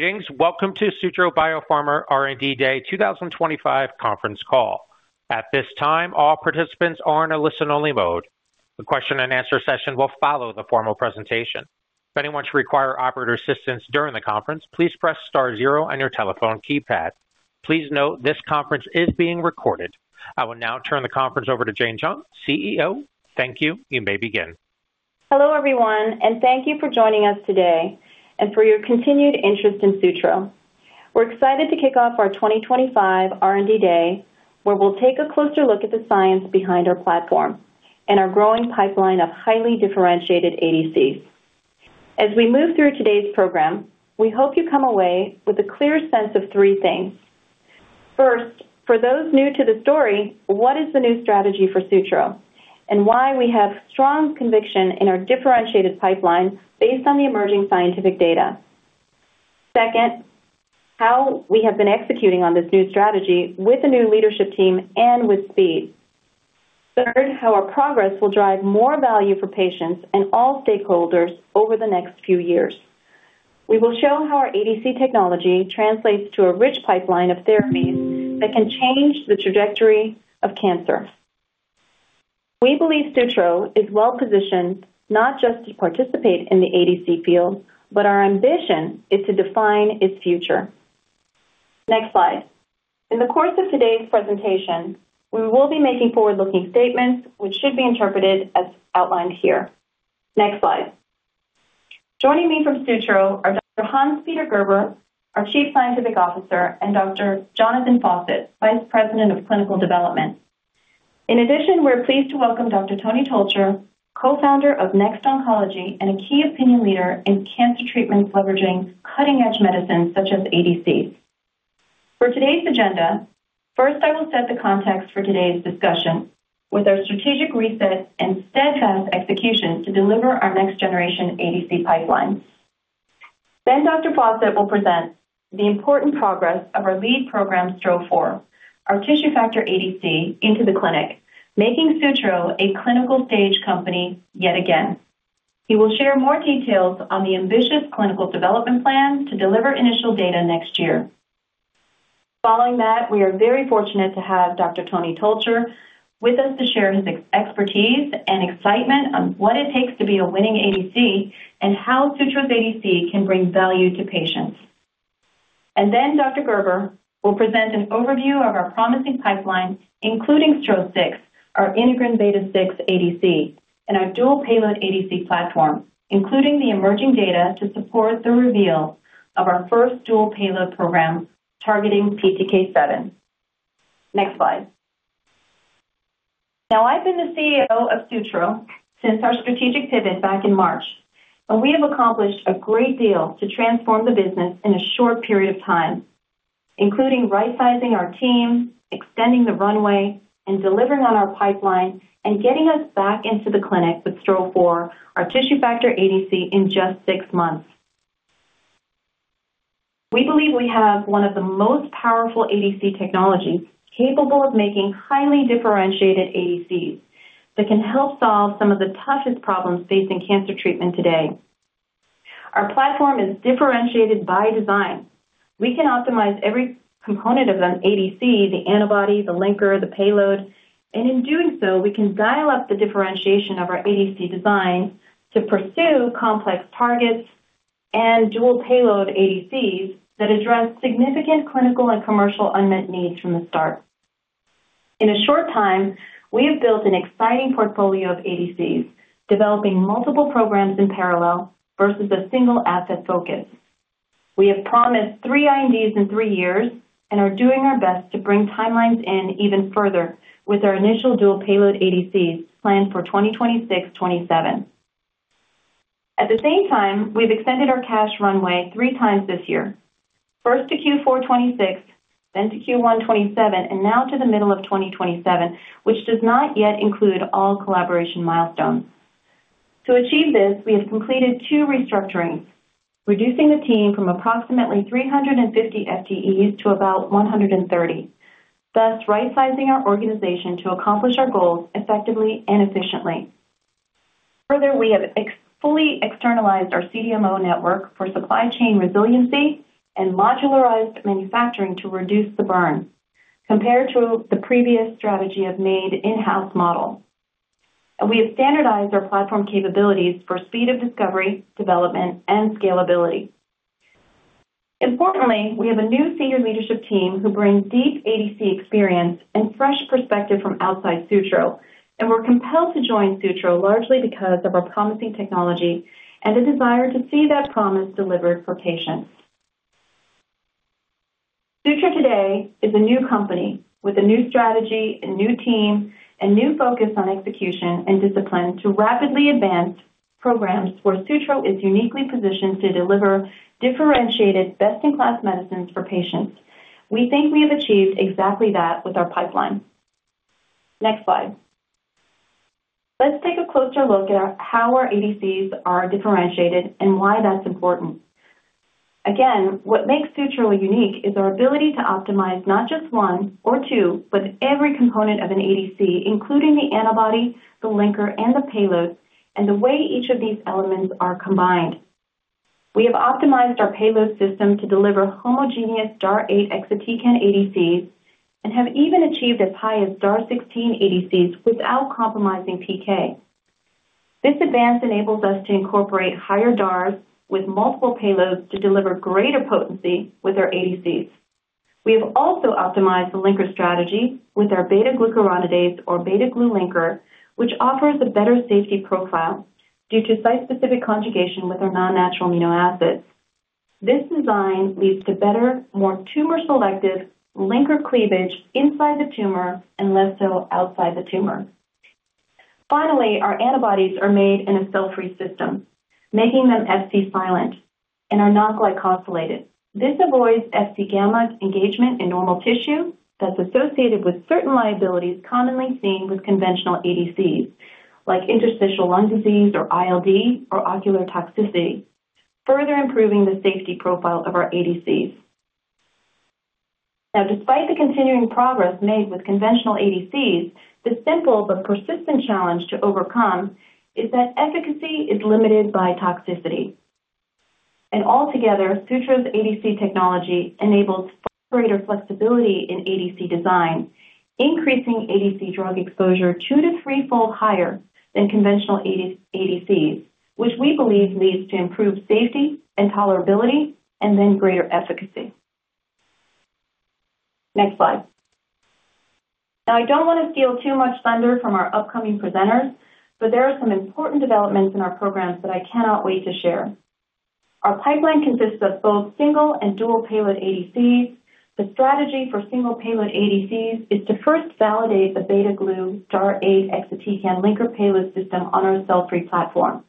Greetings. Welcome to Sutro Biopharma R&D Day 2025 conference call. At this time, all participants are in a listen-only mode. The question-and-answer session will follow the formal presentation. If anyone should require operator assistance during the conference, please press star zero on your telephone keypad. Please note this conference is being recorded. I will now turn the conference over to Jane Chung, CEO. Thank you. You may begin. Hello, everyone, and thank you for joining us today and for your continued interest in Sutro. We're excited to kick off our 2025 R&D Day, where we'll take a closer look at the science behind our platform and our growing pipeline of highly differentiated ADCs. As we move through today's program, we hope you come away with a clear sense of three things. First, for those new to the story, what is the new strategy for Sutro and why we have strong conviction in our differentiated pipeline based on the emerging scientific data? Second, how we have been executing on this new strategy with a new leadership team and with speed. Third, how our progress will drive more value for patients and all stakeholders over the next few years. We will show how our ADC technology translates to a rich pipeline of therapies that can change the trajectory of cancer. We believe Sutro is well-positioned not just to participate in the ADC field, but our ambition is to define its future. Next slide. In the course of today's presentation, we will be making forward-looking statements, which should be interpreted as outlined here. Next slide. Joining me from Sutro are Dr. Hans-Peter Gerber, our Chief Scientific Officer, and Dr. Jonathan Fawcett, Vice President of Clinical Development. In addition, we're pleased to welcome Dr. Tony Tolcher, co-founder of Next Oncology and a key opinion leader in cancer treatments leveraging cutting-edge medicines such as ADC. For today's agenda, first, I will set the context for today's discussion with our strategic reset and steadfast execution to deliver our next-generation ADC pipeline. Dr. Fawcett will present the important progress of our lead program, STRO-004, our tissue factor ADC into the clinic, making Sutro a clinical-stage company yet again. He will share more details on the ambitious clinical development plan to deliver initial data next year. Following that, we are very fortunate to have Dr. Tony Tolcher with us to share his expertise and excitement on what it takes to be a winning ADC and how Sutro's ADC can bring value to patients. Dr. Gerber will present an overview of our promising pipeline, including STRO-006, our integrin beta-6 ADC, and our dual payload ADC platform, including the emerging data to support the reveal of our first dual payload program targeting PTK7. Next slide. Now, I've been the CEO of Sutro since our strategic pivot back in March, and we have accomplished a great deal to transform the business in a short period of time, including right-sizing our team, extending the runway, and delivering on our pipeline and getting us back into the clinic with STRO-004, our tissue factor ADC, in just six months. We believe we have one of the most powerful ADC technologies capable of making highly differentiated ADCs that can help solve some of the toughest problems facing cancer treatment today. Our platform is differentiated by design. We can optimize every component of an ADC, the antibody, the linker, the payload, and in doing so, we can dial up the differentiation of our ADC design to pursue complex targets and dual payload ADCs that address significant clinical and commercial unmet needs from the start. In a short time, we have built an exciting portfolio of ADCs, developing multiple programs in parallel versus a single asset focus. We have promised three INDs in three years and are doing our best to bring timelines in even further with our initial dual payload ADCs planned for 2026-2027. At the same time, we've extended our cash runway three times this year, first to Q4 2026, then to Q1 2027, and now to the middle of 2027, which does not yet include all collaboration milestones. To achieve this, we have completed two restructurings, reducing the team from approximately 350 FTEs to about 130, thus right-sizing our organization to accomplish our goals effectively and efficiently. Further, we have fully externalized our CDMO network for supply chain resiliency and modularized manufacturing to reduce the burn compared to the previous strategy of made in-house model. We have standardized our platform capabilities for speed of discovery, development, and scalability. Importantly, we have a new senior leadership team who bring deep ADC experience and fresh perspective from outside Sutro, and we're compelled to join Sutro largely because of our promising technology and a desire to see that promise delivered for patients. Sutro today is a new company with a new strategy, a new team, and new focus on execution and discipline to rapidly advance programs where Sutro is uniquely positioned to deliver differentiated, best-in-class medicines for patients. We think we have achieved exactly that with our pipeline. Next slide. Let's take a closer look at how our ADCs are differentiated and why that's important. Again, what makes Sutro unique is our ability to optimize not just one or two, but every component of an ADC, including the antibody, the linker, and the payload, and the way each of these elements are combined. We have optimized our payload system to deliver homogeneous DAR8 exotic ADCs and have even achieved as high as DAR16 ADCs without compromising PK. This advance enables us to incorporate higher DARs with multiple payloads to deliver greater potency with our ADCs. We have also optimized the linker strategy with our beta-glucuronidase, or beta-glue linker, which offers a better safety profile due to site-specific conjugation with our non-natural amino acids. This design leads to better, more tumor-selective linker cleavage inside the tumor and less so outside the tumor. Finally, our antibodies are made in a cell-free system, making them Fc silent and are non-glycosylated. This avoids Fc gamma engagement in normal tissue that's associated with certain liabilities commonly seen with conventional ADCs, like interstitial lung disease or ILD or ocular toxicity, further improving the safety profile of our ADCs. Now, despite the continuing progress made with conventional ADCs, the simple but persistent challenge to overcome is that efficacy is limited by toxicity. Altogether, Sutro's ADC technology enables greater flexibility in ADC design, increasing ADC drug exposure two- to three-fold higher than conventional ADCs, which we believe leads to improved safety and tolerability and then greater efficacy. Next slide. Now, I don't want to steal too much thunder from our upcoming presenters, but there are some important developments in our programs that I cannot wait to share. Our pipeline consists of both single and dual payload ADCs. The strategy for single payload ADCs is to first validate the beta-glucuronidase DAR8 exotic linker payload system on our cell-free platform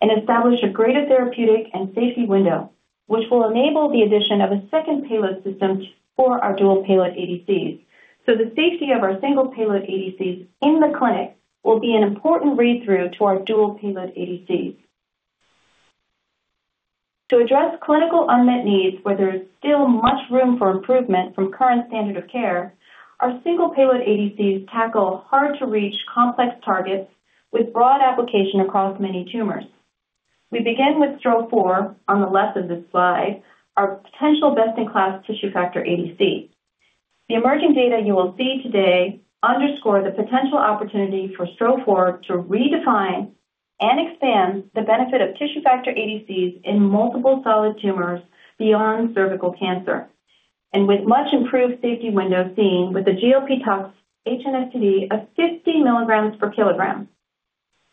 and establish a greater therapeutic and safety window, which will enable the addition of a second payload system for our dual payload ADCs. The safety of our single payload ADCs in the clinic will be an important read-through to our dual payload ADCs. To address clinical unmet needs where there is still much room for improvement from current standard of care, our single payload ADCs tackle hard-to-reach complex targets with broad application across many tumors. We begin with STRO-004 on the left of this slide, our potential best-in-class tissue factor ADC. The emerging data you will see today underscore the potential opportunity for STRO-004 to redefine and expand the benefit of tissue factor ADCs in multiple solid tumors beyond cervical cancer, and with much improved safety windows seen with the GLP-2 HNSTD of 50 milligrams per kilogram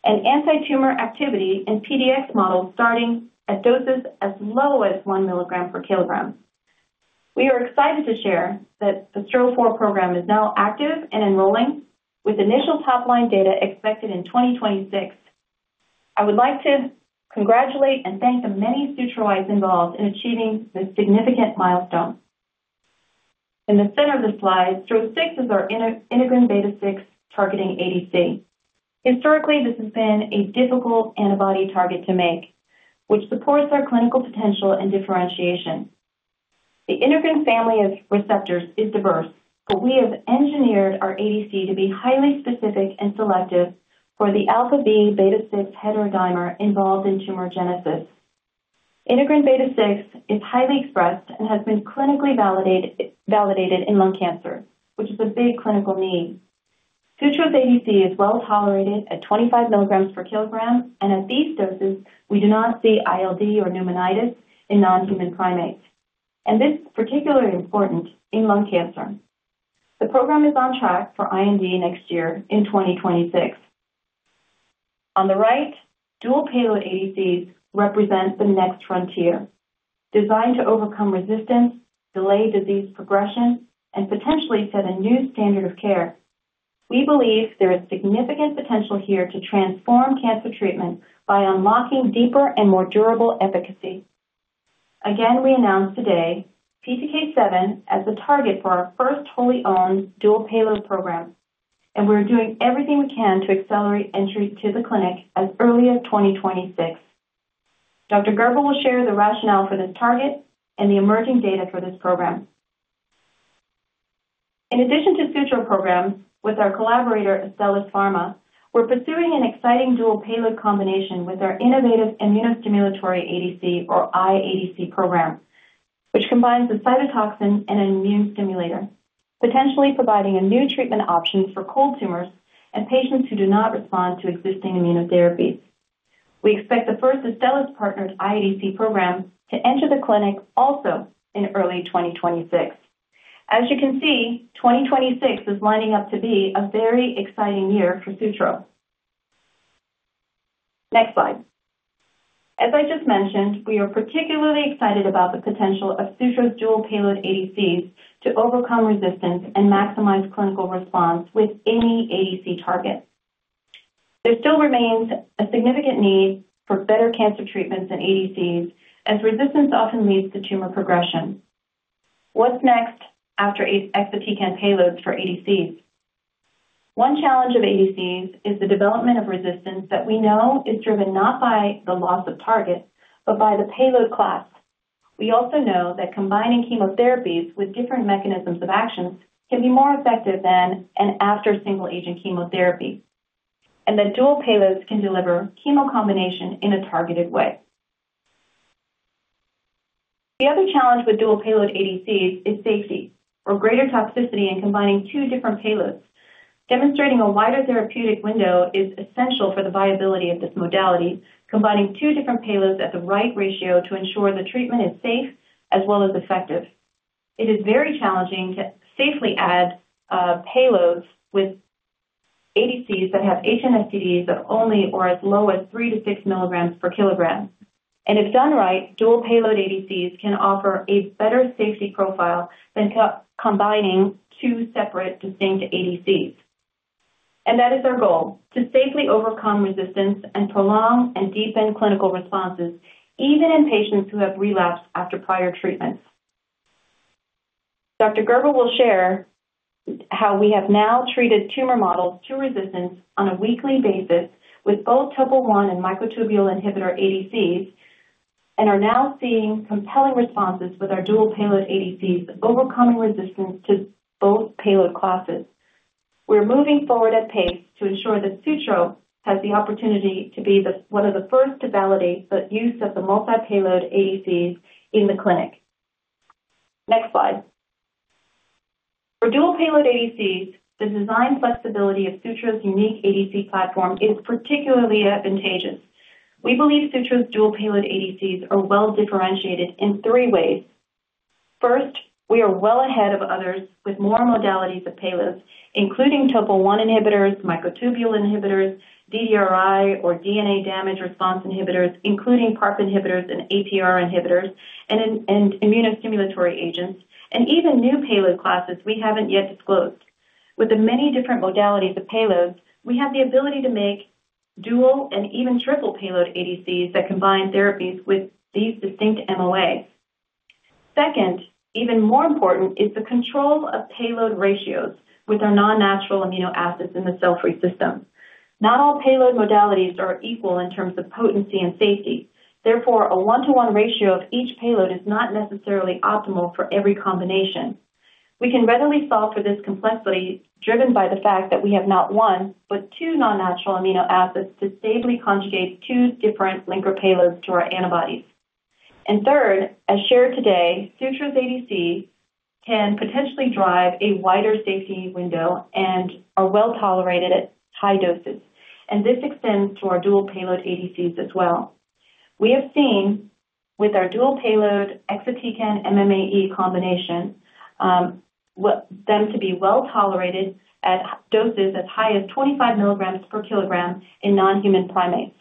and anti-tumor activity in PDX models starting at doses as low as 1 milligram per kilogram. We are excited to share that the STRO-004 program is now active and enrolling with initial top-line data expected in 2026. I would like to congratulate and thank the many Sutroites involved in achieving this significant milestone. In the center of the slide, STRO-006 is our integrin beta-6 targeting ADC. Historically, this has been a difficult antibody target to make, which supports our clinical potential and differentiation. The Integrin family of receptors is diverse, but we have engineered our ADC to be highly specific and selective for the alpha-v beta-6 heterodimer involved in tumor genesis. Integrin beta-6 is highly expressed and has been clinically validated in lung cancer, which is a big clinical need. Sutro's ADC is well tolerated at 25 mg per kg, and at these doses, we do not see ILD or pneumonitis in non-human primates, and this is particularly important in lung cancer. The program is on track for IND next year in 2026. On the right, dual payload ADCs represent the next frontier. Designed to overcome resistance, delay disease progression, and potentially set a new standard of care, we believe there is significant potential here to transform cancer treatment by unlocking deeper and more durable efficacy. Again, we announced today PTK7 as the target for our first wholly owned dual payload program, and we're doing everything we can to accelerate entry to the clinic as early as 2026. Dr. Gerber will share the rationale for this target and the emerging data for this program. In addition to Sutro programs, with our collaborator, Astellas Pharma, we're pursuing an exciting dual payload combination with our innovative immunostimulatory ADC, or iADC, program, which combines a cytotoxin and an immune stimulator, potentially providing a new treatment option for cold tumors and patients who do not respond to existing immunotherapy. We expect the first Astellas-partnered iADC program to enter the clinic also in early 2026. As you can see, 2026 is lining up to be a very exciting year for Sutro. Next slide. As I just mentioned, we are particularly excited about the potential of Sutro's dual payload ADCs to overcome resistance and maximize clinical response with any ADC target. There still remains a significant need for better cancer treatments than ADCs, as resistance often leads to tumor progression. What's next after exotic payloads for ADCs? One challenge of ADCs is the development of resistance that we know is driven not by the loss of target, but by the payload class. We also know that combining chemotherapies with different mechanisms of action can be more effective than an after-single-agent chemotherapy, and that dual payloads can deliver chemocombination in a targeted way. The other challenge with dual payload ADCs is safety. For greater toxicity in combining two different payloads, demonstrating a wider therapeutic window is essential for the viability of this modality, combining two different payloads at the right ratio to ensure the treatment is safe as well as effective. It is very challenging to safely add payloads with ADCs that have HNSTD of only or as low as 3-6 milligrams per kilogram. If done right, dual payload ADCs can offer a better safety profile than combining two separate distinct ADCs. That is our goal, to safely overcome resistance and prolong and deepen clinical responses, even in patients who have relapsed after prior treatments. Dr. Gerber will share how we have now treated tumor models to resistance on a weekly basis with both topo-1 and microtubule inhibitor ADCs and are now seeing compelling responses with our dual payload ADCs overcoming resistance to both payload classes. We're moving forward at pace to ensure that Sutro has the opportunity to be one of the first to validate the use of the multi-payload ADCs in the clinic. Next slide. For dual payload ADCs, the design flexibility of Sutro's unique ADC platform is particularly advantageous. We believe Sutro's dual payload ADCs are well differentiated in three ways. First, we are well ahead of others with more modalities of payloads, including topo-1 inhibitors, microtubule inhibitors, DDRI or DNA damage response inhibitors, including PARP inhibitors and APR inhibitors, and immunostimulatory agents, and even new payload classes we haven't yet disclosed. With the many different modalities of payloads, we have the ability to make dual and even triple payload ADCs that combine therapies with these distinct MOAs. Second, even more important is the control of payload ratios with our non-natural amino acids in the cell-free system. Not all payload modalities are equal in terms of potency and safety. Therefore, a one-to-one ratio of each payload is not necessarily optimal for every combination. We can readily solve for this complexity driven by the fact that we have not one, but two non-natural amino acids to stably conjugate two different linker payloads to our antibodies. Third, as shared today, Sutro's ADC can potentially drive a wider safety window and are well tolerated at high doses, and this extends to our dual payload ADCs as well. We have seen with our dual payload exotic MMAE combination them to be well tolerated at doses as high as 25 mg per kg in non-human primates.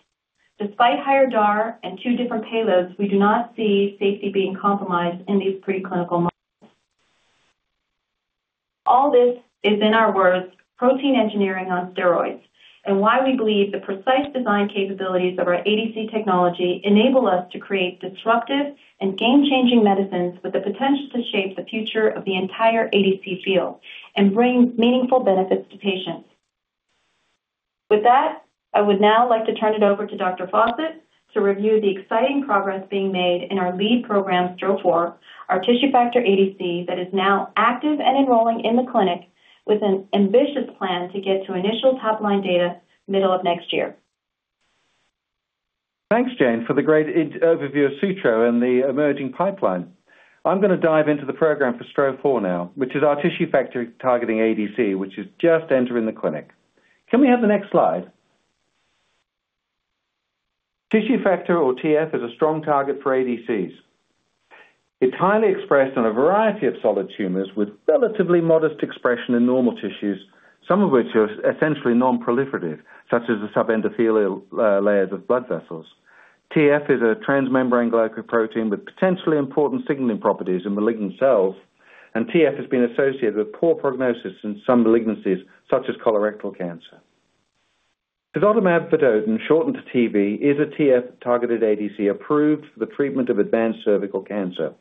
Despite higher DAR and two different payloads, we do not see safety being compromised in these preclinical models. All this is, in our words, protein engineering on steroids, and why we believe the precise design capabilities of our ADC technology enable us to create disruptive and game-changing medicines with the potential to shape the future of the entire ADC field and bring meaningful benefits to patients. With that, I would now like to turn it over to Dr. Fawcett to review the exciting progress being made in our lead program, STRO-004, our tissue factor ADC that is now active and enrolling in the clinic with an ambitious plan to get to initial top-line data middle of next year. Thanks, Jane, for the great overview of Sutro and the emerging pipeline. I'm going to dive into the program for STRO-004 now, which is our tissue factor targeting ADC, which is just entering the clinic. Can we have the next slide? Tissue factor, or TF, is a strong target for ADCs. It's highly expressed in a variety of solid tumors with relatively modest expression in normal tissues, some of which are essentially non-proliferative, such as the subendothelial layers of blood vessels. TF is a transmembrane glycoprotein with potentially important signaling properties in malignant cells, and TF has been associated with poor prognosis in some malignancies, such as colorectal cancer. Tisotumab vedotin, shortened to TV, is a TF-targeted ADC approved for the treatment of advanced cervical cancer.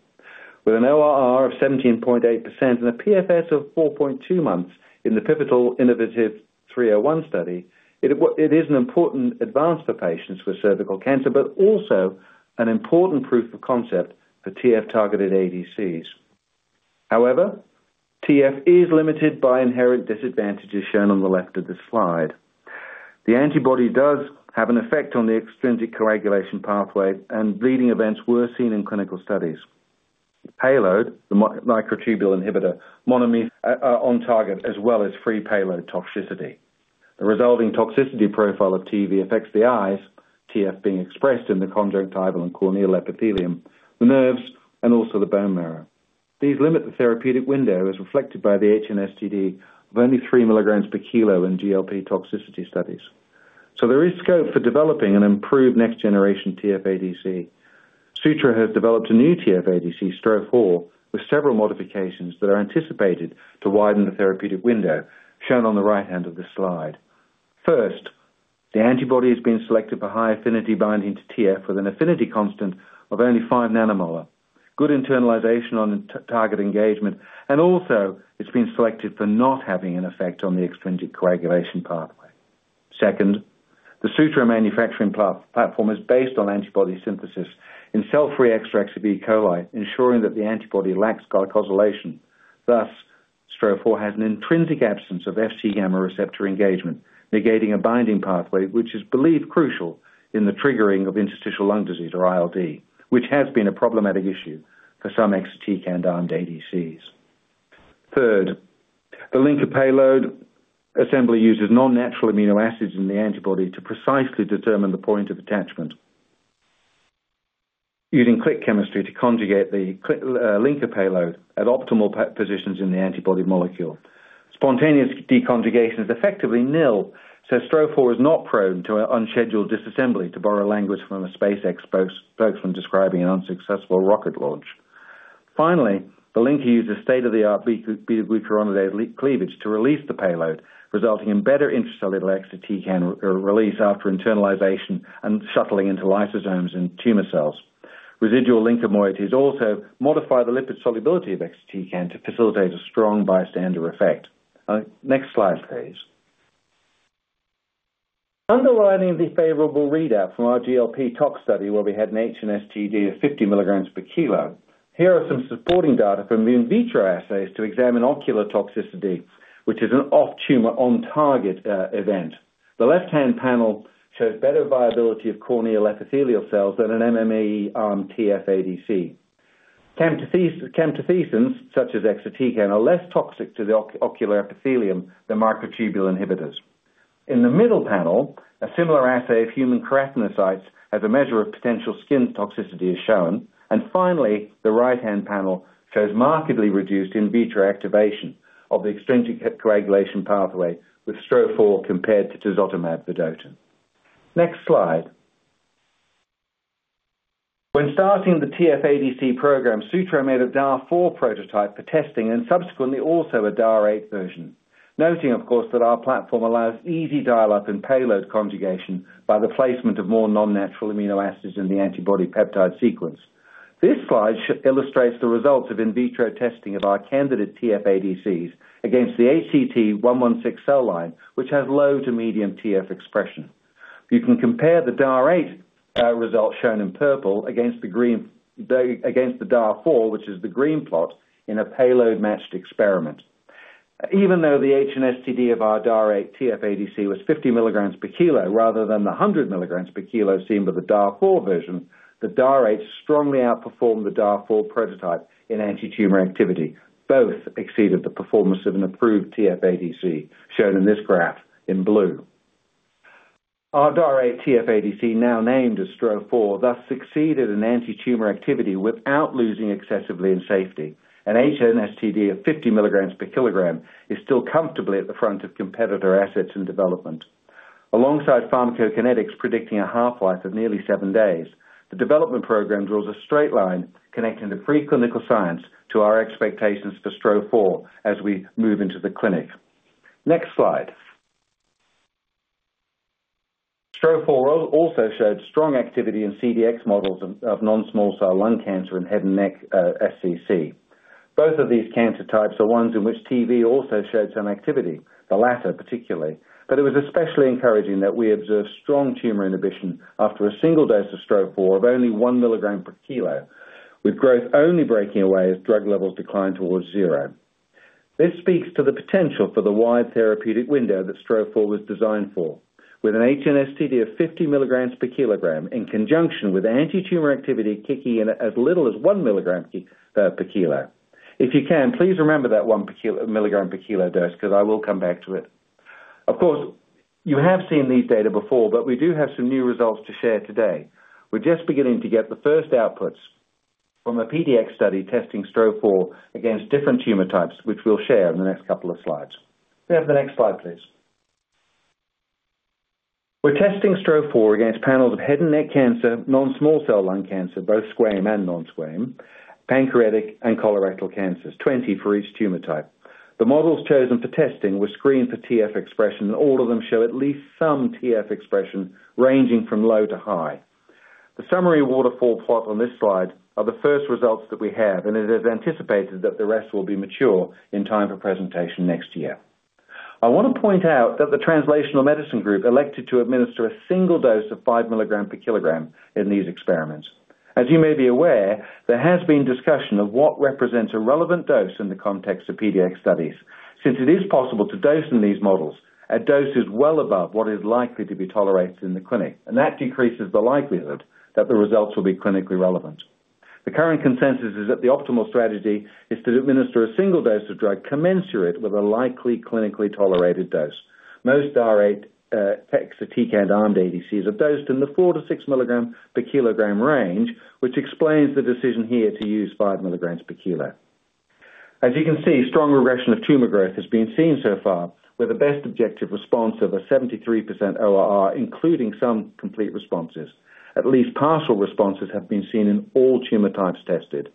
With an ORR of 17.8% and a PFS of 4.2 months in the Pivotal Innovative 301 study, it is an important advance for patients with cervical cancer, but also an important proof of concept for TF-targeted ADCs. However, TF is limited by inherent disadvantages shown on the left of this slide. The antibody does have an effect on the extrinsic coagulation pathway, and bleeding events were seen in clinical studies. Payload, the microtubule inhibitor, on target, as well as free payload toxicity. The resulting toxicity profile of TV affects the eyes, TF being expressed in the conjunctival and corneal epithelium, the nerves, and also the bone marrow. These limit the therapeutic window, as reflected by the HNFTD of only 3 mg per kg in GLP-toxicity studies. There is scope for developing an improved next-generation TF-ADC. Sutro has developed a new TF-ADC, STRO-004, with several modifications that are anticipated to widen the therapeutic window, shown on the right-hand of this slide. First, the antibody has been selected for high affinity binding to TF with an affinity constant of only 5 nanomolar, good internalization on target engagement, and also, it's been selected for not having an effect on the extrinsic coagulation pathway. Second, the Sutro manufacturing platform is based on antibody synthesis in cell-free extracts of E. coli, ensuring that the antibody lacks glycosylation. Thus, STRO-004 has an intrinsic absence of Fc gamma receptor engagement, negating a binding pathway, which is believed crucial in the triggering of interstitial lung disease, or ILD, which has been a problematic issue for some exotic and armed ADCs. Third, the linker payload assembly uses non-natural amino acids in the antibody to precisely determine the point of attachment, using click chemistry to conjugate the linker payload at optimal positions in the antibody molecule. Spontaneous deconjugation is effectively nil, so STRO-004 is not prone to unscheduled disassembly, to borrow language from a SpaceX spokesman describing an unsuccessful rocket launch. Finally, the linker uses state-of-the-art beta-glucuronidase cleavage to release the payload, resulting in better intracellular exotic release after internalization and shuttling into lysosomes in tumor cells. Residual linker moieties also modify the lipid solubility of exatecan to facilitate a strong bystander effect. Next slide, please. Underlining the favorable readout from our GLP-TOX study where we had an HNSTD of 50 mg per kg, here are some supporting data from the in vitro assays to examine ocular toxicity, which is an off-tumor on-target event. The left-hand panel shows better viability of corneal epithelial cells than an MMAE-armed TF-ADC. Chemotoxins, such as exatecan, are less toxic to the ocular epithelium than microtubule inhibitors. In the middle panel, a similar assay of human keratinocytes as a measure of potential skin toxicity is shown, and finally, the right-hand panel shows markedly reduced in vitro activation of the extrinsic coagulation pathway with STRO-004 compared to tisotumab vedotin. Next slide. When starting the TF-ADC program, Sutro made a DAR4 prototype for testing and subsequently also a DAR8 version, noting, of course, that our platform allows easy dial-up and payload conjugation by the placement of more non-natural amino acids in the antibody peptide sequence. This slide illustrates the results of in vitro testing of our candidate TF-ADCs against the ACT116 cell line, which has low to medium TF expression. You can compare the DAR8 result shown in purple against the DAR4, which is the green plot, in a payload-matched experiment. Even though the HNSTD of our DAR8 TF-ADC was 50 mg per kg rather than the 100 mg per kg seen with the DAR4 version, the DAR8 strongly outperformed the DAR4 prototype in anti-tumor activity. Both exceeded the performance of an approved TF-ADC shown in this graph in blue. Our DAR8 TF-ADC, now named as STRO-004, thus succeeded in anti-tumor activity without losing excessively in safety. An HNSTD of 50 mg per kg is still comfortably at the front of competitor assets in development. Alongside pharmacokinetics predicting a half-life of nearly seven days, the development program draws a straight line connecting the preclinical science to our expectations for STRO-004 as we move into the clinic. Next slide. STRO-004 also showed strong activity in CDX models of non-small cell lung cancer and head and neck SCC. Both of these cancer types are ones in which TV also showed some activity, the latter particularly, but it was especially encouraging that we observed strong tumor inhibition after a single dose of STRO-004 of only 1 mg per kg, with growth only breaking away as drug levels declined towards zero. This speaks to the potential for the wide therapeutic window that STRO-004 was designed for, with an HNSTD of 50 milligrams per kilogram in conjunction with anti-tumor activity kicking in at as little as 1 milligram per kilo. If you can, please remember that 1 milligram per kilo dose because I will come back to it. Of course, you have seen these data before, but we do have some new results to share today. We're just beginning to get the first outputs from a PDX study testing STRO-004 against different tumor types, which we'll share in the next couple of slides. May I have the next slide, please? We're testing STRO-004 against panels of head and neck cancer, non-small cell lung cancer, both squamous and non-squamous, pancreatic and colorectal cancers, 20 for each tumor type. The models chosen for testing were screened for TF expression, and all of them show at least some TF expression ranging from low to high. The summary waterfall plot on this slide are the first results that we have, and it is anticipated that the rest will be mature in time for presentation next year. I want to point out that the Translational Medicine Group elected to administer a single dose of 5 mg per kg in these experiments. As you may be aware, there has been discussion of what represents a relevant dose in the context of PDX studies, since it is possible to dose in these models at doses well above what is likely to be tolerated in the clinic, and that decreases the likelihood that the results will be clinically relevant. The current consensus is that the optimal strategy is to administer a single dose of drug commensurate with a likely clinically tolerated dose. Most DAR8 exotic and armed ADCs are dosed in the 4-6 milligrams per kilogram range, which explains the decision here to use 5 milligrams per kilo. As you can see, strong regression of tumor growth has been seen so far, with a best objective response of a 73% ORR, including some complete responses. At least partial responses have been seen in all tumor types tested.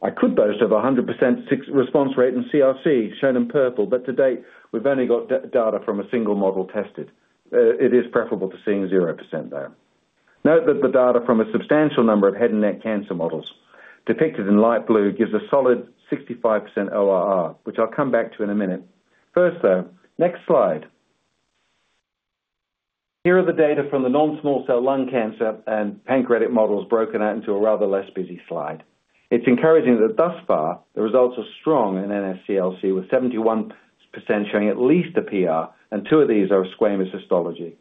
I could boast of a 100% response rate in CRC shown in purple, but to date, we've only got data from a single model tested. It is preferable to seeing 0%, though. Note that the data from a substantial number of head and neck cancer models depicted in light blue gives a solid 65% ORR, which I'll come back to in a minute. First, though, next slide. Here are the data from the non-small cell lung cancer and pancreatic models broken out into a rather less busy slide. It's encouraging that thus far, the results are strong in NSCLC, with 71% showing at least a PR, and two of these are a squamous histology.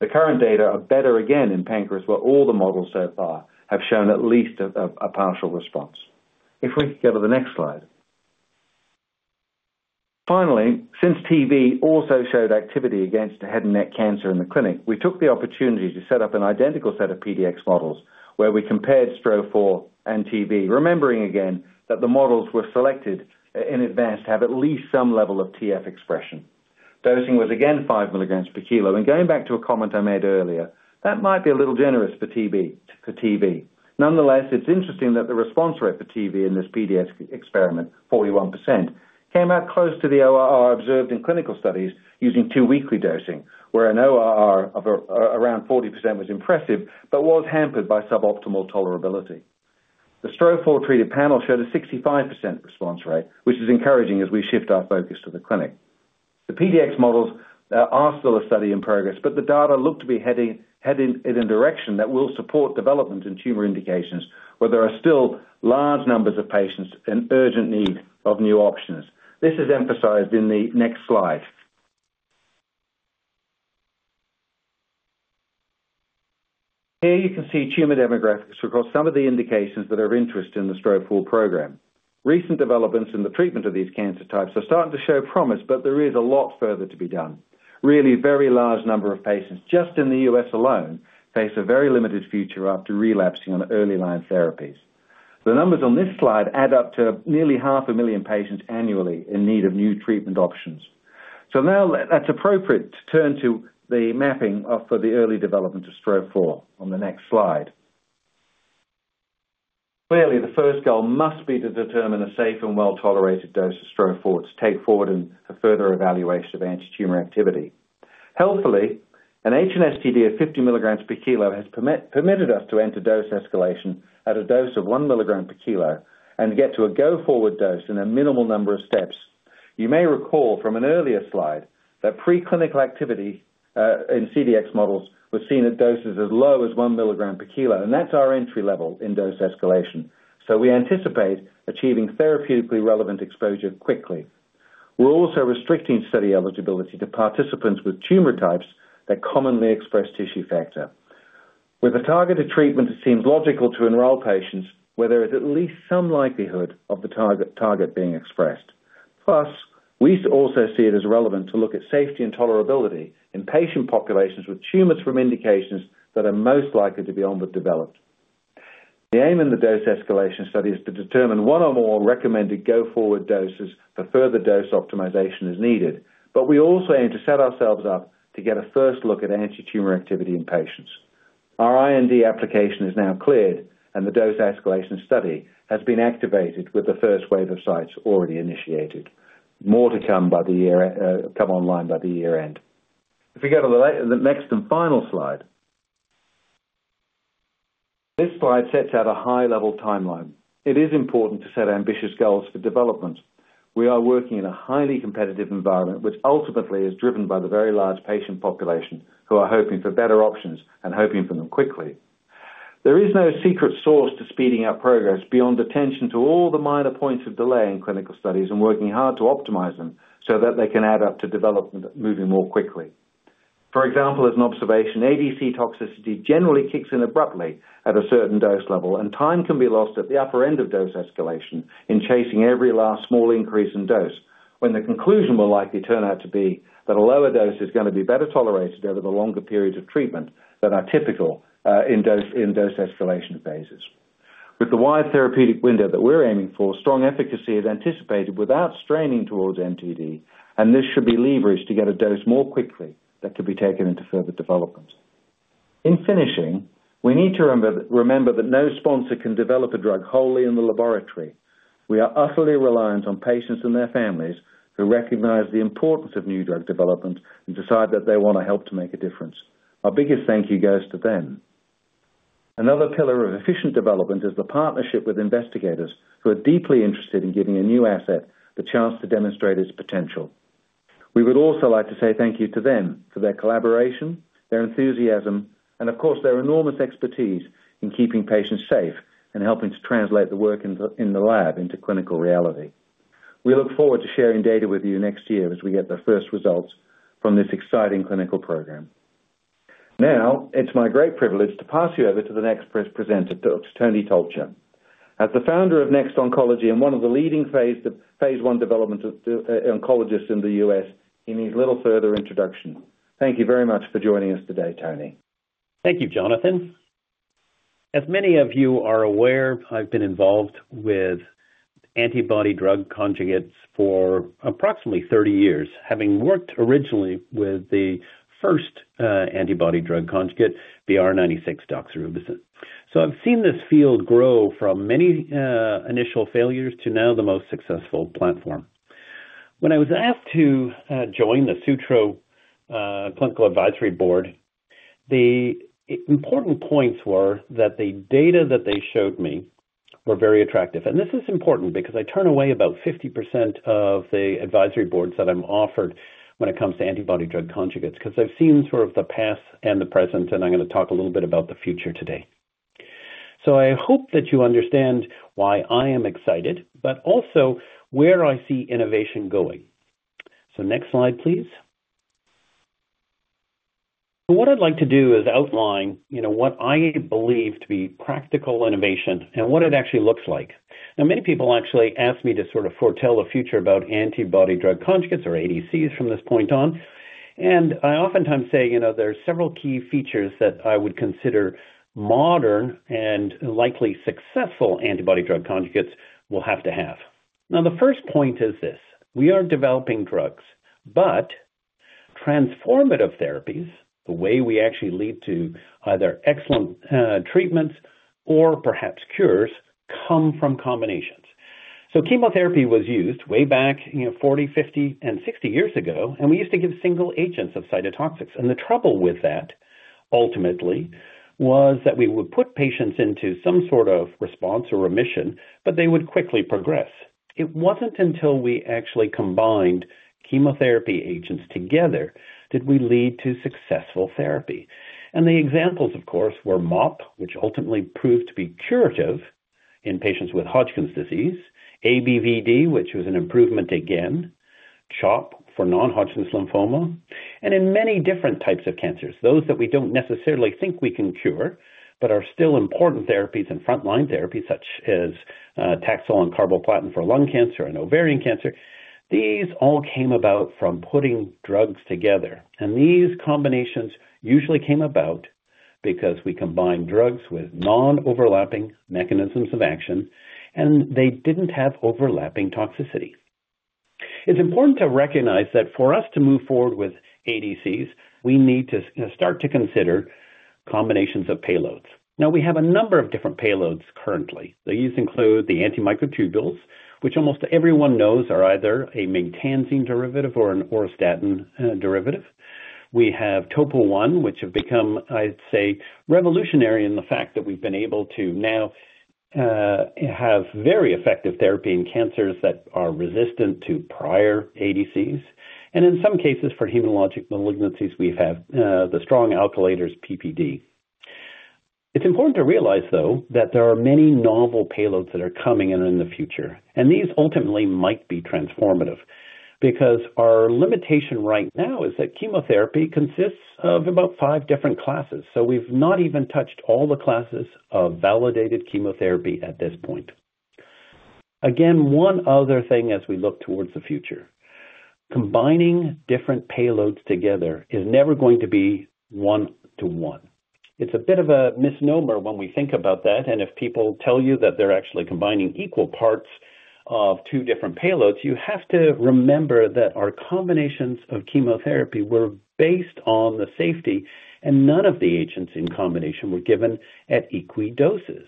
The current data are better again in pancreas, where all the models so far have shown at least a partial response. If we can go to the next slide. Finally, since TV also showed activity against head and neck cancer in the clinic, we took the opportunity to set up an identical set of PDX models where we compared STRO-004 and TV, remembering again that the models were selected in advance to have at least some level of TF expression. Dosing was again 5 mg per kg, and going back to a comment I made earlier, that might be a little generous for TV. Nonetheless, it's interesting that the response rate for TV in this PDX experiment, 41%, came out close to the ORR observed in clinical studies using two-weekly dosing, where an ORR of around 40% was impressive but was hampered by suboptimal tolerability. The STRO-004-treated panel showed a 65% response rate, which is encouraging as we shift our focus to the clinic. The PDX models are still a study in progress, but the data look to be heading in a direction that will support development in tumor indications, where there are still large numbers of patients in urgent need of new options. This is emphasized in the next slide. Here you can see tumor demographics across some of the indications that are of interest in the STRO-004 program. Recent developments in the treatment of these cancer types are starting to show promise, but there is a lot further to be done. Really, a very large number of patients just in the U.S. alone face a very limited future after relapsing on early line therapies. The numbers on this slide add up to nearly 500,000 patients annually in need of new treatment options. Now, that's appropriate to turn to the mapping for the early development of STRO-004 on the next slide. Clearly, the first goal must be to determine a safe and well-tolerated dose of STRO-004 to take forward in the further evaluation of anti-tumor activity. Helpfully, an HNSTD of 50 mg per kg has permitted us to enter dose escalation at a dose of 1 mg per kg and get to a go-forward dose in a minimal number of steps. You may recall from an earlier slide that preclinical activity in CDX models was seen at doses as low as 1 mg per kg, and that's our entry level in dose escalation. We anticipate achieving therapeutically relevant exposure quickly. We're also restricting study eligibility to participants with tumor types that commonly express tissue factor. With the targeted treatment, it seems logical to enroll patients where there is at least some likelihood of the target being expressed. Plus, we also see it as relevant to look at safety and tolerability in patient populations with tumors from indications that are most likely to be onward developed. The aim in the dose escalation study is to determine one or more recommended go-forward doses for further dose optimization as needed, but we also aim to set ourselves up to get a first look at anti-tumor activity in patients. Our IND application is now cleared, and the dose escalation study has been activated with the first wave of sites already initiated. More to come online by the year end. If we go to the next and final slide. This slide sets out a high-level timeline. It is important to set ambitious goals for development. We are working in a highly competitive environment, which ultimately is driven by the very large patient population who are hoping for better options and hoping for them quickly. There is no secret sauce to speeding up progress beyond attention to all the minor points of delay in clinical studies and working hard to optimize them so that they can add up to development moving more quickly. For example, as an observation, ADC toxicity generally kicks in abruptly at a certain dose level, and time can be lost at the upper end of dose escalation in chasing every last small increase in dose when the conclusion will likely turn out to be that a lower dose is going to be better tolerated over the longer periods of treatment that are typical in dose escalation phases. With the wide therapeutic window that we're aiming for, strong efficacy is anticipated without straining towards NTD, and this should be leveraged to get a dose more quickly that could be taken into further development. In finishing, we need to remember that no sponsor can develop a drug wholly in the laboratory. We are utterly reliant on patients and their families who recognize the importance of new drug development and decide that they want to help to make a difference. Our biggest thank you goes to them. Another pillar of efficient development is the partnership with investigators who are deeply interested in giving a new asset the chance to demonstrate its potential. We would also like to say thank you to them for their collaboration, their enthusiasm, and of course, their enormous expertise in keeping patients safe and helping to translate the work in the lab into clinical reality. We look forward to sharing data with you next year as we get the first results from this exciting clinical program. Now, it's my great privilege to pass you over to the next presenter, Dr. Tony Tolcher, as the founder of Next Oncology and one of the leading phase one development oncologists in the U.S. in his little further introduction. Thank you very much for joining us today, Tony. Thank you, Jonathan. As many of you are aware, I've been involved with antibody-drug conjugates for approximately 30 years, having worked originally with the first antibody-drug conjugate, BR96-doxorubicin. So I've seen this field grow from many initial failures to now the most successful platform. When I was asked to join the Sutro Clinical Advisory Board, the important points were that the data that they showed me were very attractive. This is important because I turn away about 50% of the advisory boards that I'm offered when it comes to antibody-drug conjugates because I've seen sort of the past and the present, and I'm going to talk a little bit about the future today. I hope that you understand why I am excited, but also where I see innovation going. Next slide, please. What I'd like to do is outline what I believe to be practical innovation and what it actually looks like. Now, many people actually ask me to sort of foretell the future about antibody-drug conjugates or ADCs from this point on, and I oftentimes say there are several key features that I would consider modern and likely successful antibody-drug conjugates will have to have. Now, the first point is this: we are developing drugs, but transformative therapies, the way we actually lead to either excellent treatments or perhaps cures, come from combinations. Chemotherapy was used way back 40, 50, and 60 years ago, and we used to give single agents of cytotoxics. The trouble with that ultimately was that we would put patients into some sort of response or remission, but they would quickly progress. It was not until we actually combined chemotherapy agents together that we led to successful therapy. The examples, of course, were MOP, which ultimately proved to be curative in patients with Hodgkin's disease, ABVD, which was an improvement again, CHOP for non-Hodgkin's lymphoma, and in many different types of cancers, those that we don't necessarily think we can cure but are still important therapies and frontline therapies such as Taxol and Carboplatin for lung cancer and ovarian cancer. These all came about from putting drugs together, and these combinations usually came about because we combined drugs with non-overlapping mechanisms of action, and they didn't have overlapping toxicity. It's important to recognize that for us to move forward with ADCs, we need to start to consider combinations of payloads. Now, we have a number of different payloads currently. These include the antimicrotubules, which almost everyone knows are either a maytansine derivative or an auristatin derivative. We have Topo I, which have become, I'd say, revolutionary in the fact that we've been able to now have very effective therapy in cancers that are resistant to prior ADCs. In some cases for hematologic malignancies, we have the strong alkylators, PPD. It's important to realize, though, that there are many novel payloads that are coming in the future, and these ultimately might be transformative because our limitation right now is that chemotherapy consists of about five different classes. We've not even touched all the classes of validated chemotherapy at this point. Again, one other thing as we look towards the future: combining different payloads together is never going to be one to one. It's a bit of a misnomer when we think about that, and if people tell you that they're actually combining equal parts of two different payloads, you have to remember that our combinations of chemotherapy were based on the safety, and none of the agents in combination were given at equal doses.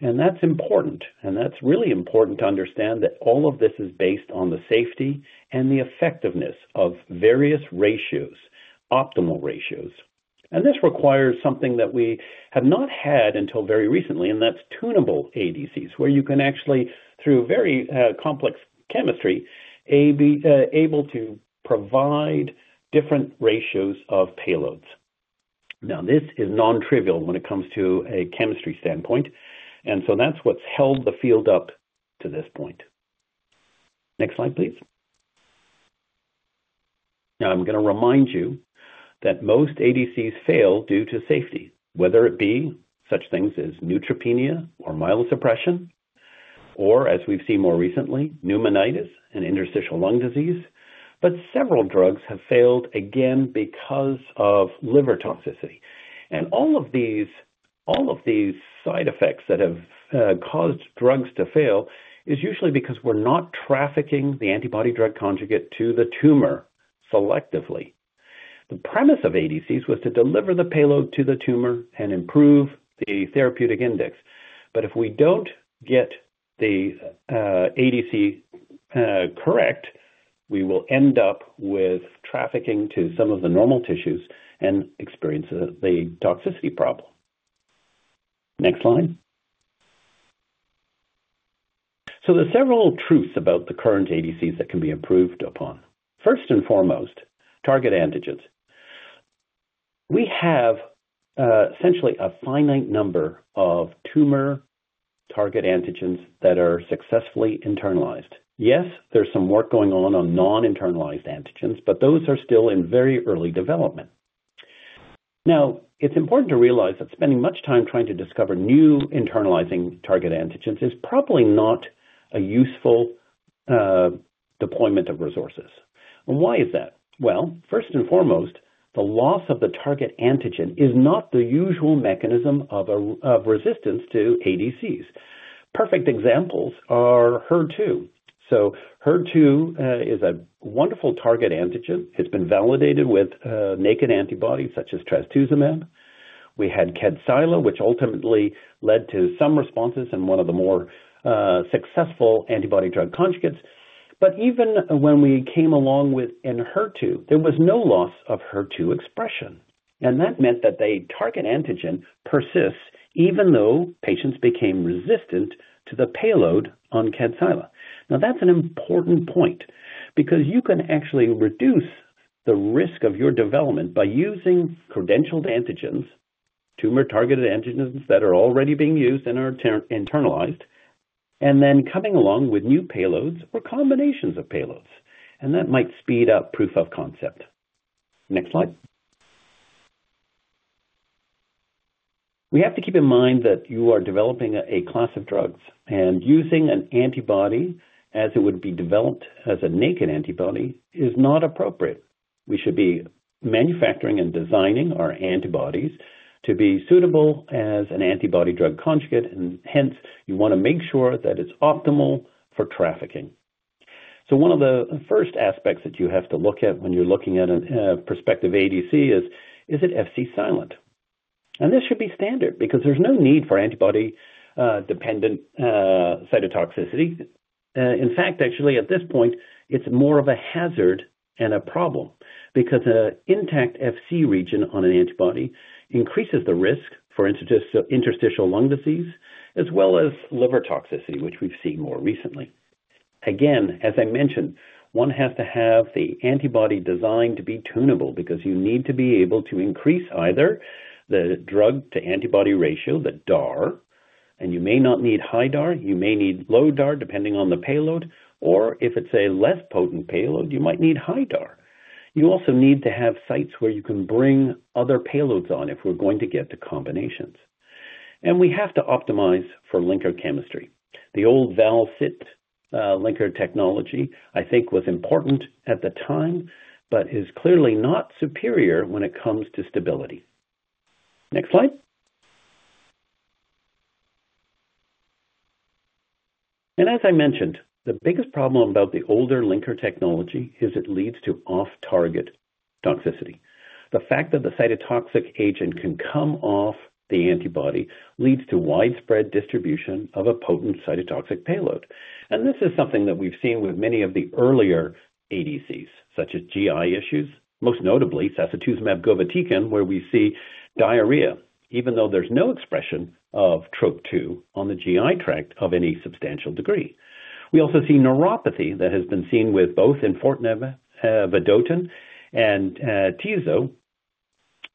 That's important, and that's really important to understand that all of this is based on the safety and the effectiveness of various ratios, optimal ratios. This requires something that we have not had until very recently, and that's tunable ADCs, where you can actually, through very complex chemistry, be able to provide different ratios of payloads. This is non-trivial when it comes to a chemistry standpoint, and that's what's held the field up to this point. Next slide, please. Now, I'm going to remind you that most ADCs fail due to safety, whether it be such things as neutropenia or myelosuppression, or, as we've seen more recently, pneumonitis and interstitial lung disease. Several drugs have failed again because of liver toxicity. All of these side effects that have caused drugs to fail are usually because we're not trafficking the antibody-drug conjugate to the tumor selectively. The premise of ADCs was to deliver the payload to the tumor and improve the therapeutic index. If we don't get the ADC correct, we will end up with trafficking to some of the normal tissues and experience the toxicity problem. Next slide. There are several truths about the current ADCs that can be improved upon. First and foremost, target antigens. We have essentially a finite number of tumor target antigens that are successfully internalized. Yes, there's some work going on on non-internalized antigens, but those are still in very early development. Now, it's important to realize that spending much time trying to discover new internalizing target antigens is probably not a useful deployment of resources. Why is that? First and foremost, the loss of the target antigen is not the usual mechanism of resistance to ADCs. Perfect examples are HER2. HER2 is a wonderful target antigen. It's been validated with naked antibodies such as trastuzumab. We had Kadcyla, which ultimately led to some responses in one of the more successful antibody-drug conjugates. Even when we came along with HER2, there was no loss of HER2 expression. That meant that the target antigen persists even though patients became resistant to the payload on Kadcyla. Now, that's an important point because you can actually reduce the risk of your development by using credentialed antigens, tumor-targeted antigens that are already being used and are internalized, and then coming along with new payloads or combinations of payloads. That might speed up proof of concept. Next slide. We have to keep in mind that you are developing a class of drugs, and using an antibody as it would be developed as a naked antibody is not appropriate. We should be manufacturing and designing our antibodies to be suitable as an antibody-drug conjugate, and hence, you want to make sure that it's optimal for trafficking. One of the first aspects that you have to look at when you're looking at a prospective ADC is, is it Fc silent? This should be standard because there's no need for antibody-dependent cytotoxicity. In fact, actually, at this point, it's more of a hazard and a problem because an intact Fc region on an antibody increases the risk for interstitial lung disease as well as liver toxicity, which we've seen more recently. Again, as I mentioned, one has to have the antibody designed to be tunable because you need to be able to increase either the drug-to-antibody ratio, the DAR, and you may not need high DAR; you may need low DAR depending on the payload, or if it's a less potent payload, you might need high DAR. You also need to have sites where you can bring other payloads on if we're going to get the combinations. We have to optimize for linker chemistry. The old valine-citrulline linker technology, I think, was important at the time, but is clearly not superior when it comes to stability. Next slide. As I mentioned, the biggest problem about the older linker technology is it leads to off-target toxicity. The fact that the cytotoxic agent can come off the antibody leads to widespread distribution of a potent cytotoxic payload. This is something that we've seen with many of the earlier ADCs, such as GI issues, most notably sacituzumab govitecan, where we see diarrhea, even though there's no expression of Trop2 on the GI tract of any substantial degree. We also see neuropathy that has been seen with both infortmab vedotin and Tisotumab vedotin,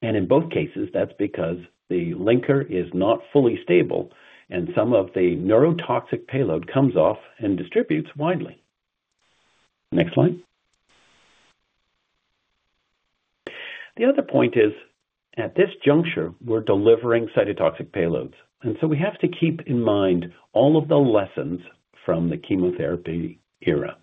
and in both cases, that's because the linker is not fully stable, and some of the neurotoxic payload comes off and distributes widely. Next slide. The other point is, at this juncture, we're delivering cytotoxic payloads, and so we have to keep in mind all of the lessons from the chemotherapy era.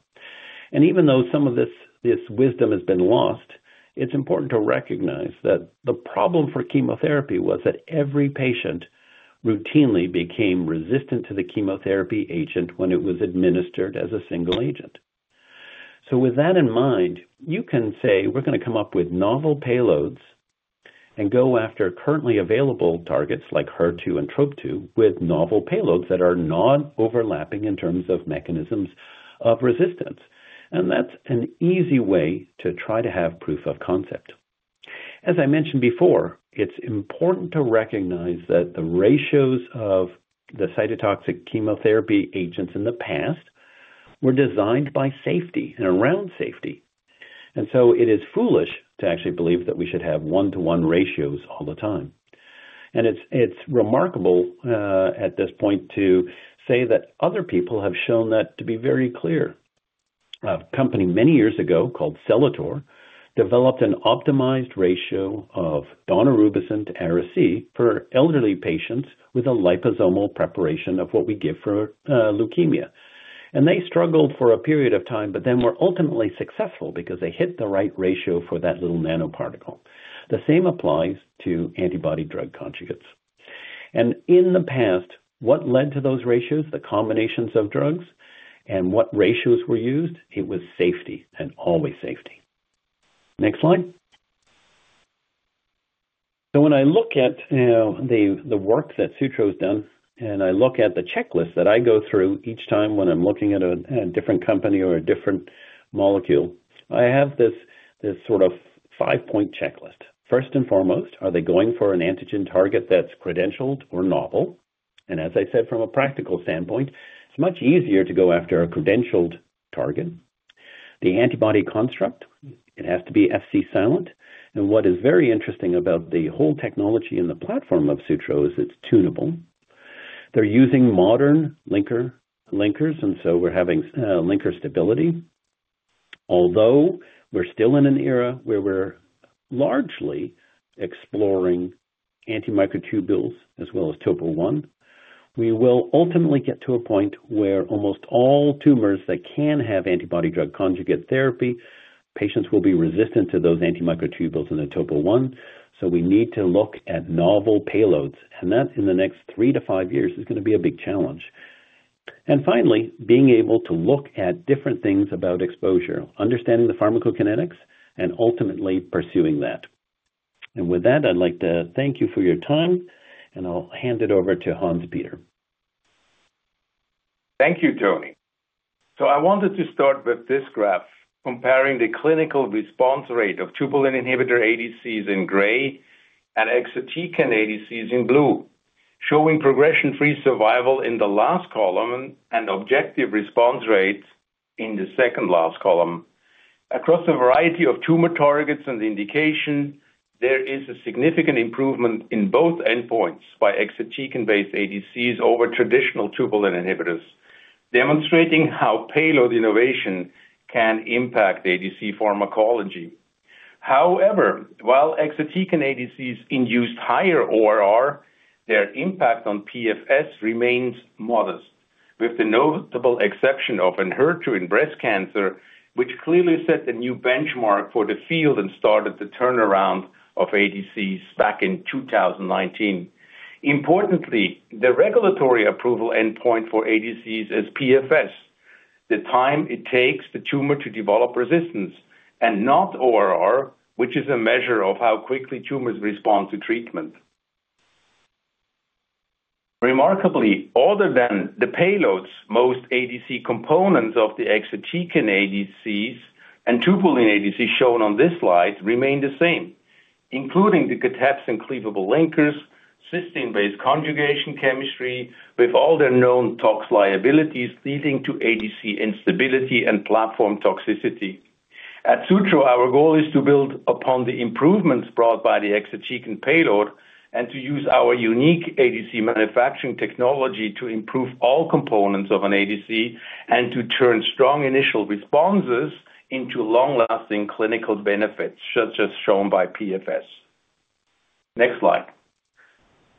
Even though some of this wisdom has been lost, it's important to recognize that the problem for chemotherapy was that every patient routinely became resistant to the chemotherapy agent when it was administered as a single agent. With that in mind, you can say we're going to come up with novel payloads and go after currently available targets like HER2 and Trop2 with novel payloads that are not overlapping in terms of mechanisms of resistance. That's an easy way to try to have proof of concept. As I mentioned before, it's important to recognize that the ratios of the cytotoxic chemotherapy agents in the past were designed by safety and around safety. It is foolish to actually believe that we should have one-to-one ratios all the time. It's remarkable at this point to say that other people have shown that to be very clear. A company many years ago called Celator developed an optimized ratio of daunorubicin, Ara-C, for elderly patients with a liposomal preparation of what we give for leukemia. They struggled for a period of time, but then were ultimately successful because they hit the right ratio for that little nanoparticle. The same applies to antibody-drug conjugates. In the past, what led to those ratios, the combinations of drugs, and what ratios were used? It was safety and always safety. Next slide. When I look at the work that Sutro has done, and I look at the checklist that I go through each time when I'm looking at a different company or a different molecule, I have this sort of five-point checklist. First and foremost, are they going for an antigen target that's credentialed or novel? As I said, from a practical standpoint, it's much easier to go after a credentialed target. The antibody construct, it has to be Fc silent. What is very interesting about the whole technology and the platform of Sutro is it's tunable. They're using modern linkers, and so we're having linker stability. Although we're still in an era where we're largely exploring antimicrotubules as well as Topo I, we will ultimately get to a point where almost all tumors that can have antibody-drug conjugate therapy, patients will be resistant to those antimicrotubules and the Topo I. We need to look at novel payloads, and that in the next three to five years is going to be a big challenge. Finally, being able to look at different things about exposure, understanding the pharmacokinetics, and ultimately pursuing that. With that, I'd like to thank you for your time, and I'll hand it over to Hans-Peter. Thank you, Tony. I wanted to start with this graph comparing the clinical response rate of tubulin inhibitor ADCs in gray and exatecan ADCs in blue, showing progression-free survival in the last column and objective response rate in the second last column. Across a variety of tumor targets and indications, there is a significant improvement in both endpoints by exatecan-based ADCs over traditional tubulin inhibitors, demonstrating how payload innovation can impact ADC pharmacology. However, while exatecan ADCs induced higher ORR, their impact on PFS remains modest, with the notable exception of in HER2 in breast cancer, which clearly set a new benchmark for the field and started the turnaround of ADCs back in 2019. Importantly, the regulatory approval endpoint for ADCs is PFS, the time it takes the tumor to develop resistance, and not ORR, which is a measure of how quickly tumors respond to treatment. Remarkably, other than the payloads, most ADC components of the exatecan ADCs and tubulin ADCs shown on this slide remain the same, including the cataps and cleavable linkers, cysteine-based conjugation chemistry, with all their known tox liabilities leading to ADC instability and platform toxicity. At Sutro, our goal is to build upon the improvements brought by the exatecan payload and to use our unique ADC manufacturing technology to improve all components of an ADC and to turn strong initial responses into long-lasting clinical benefits, such as shown by PFS. Next slide.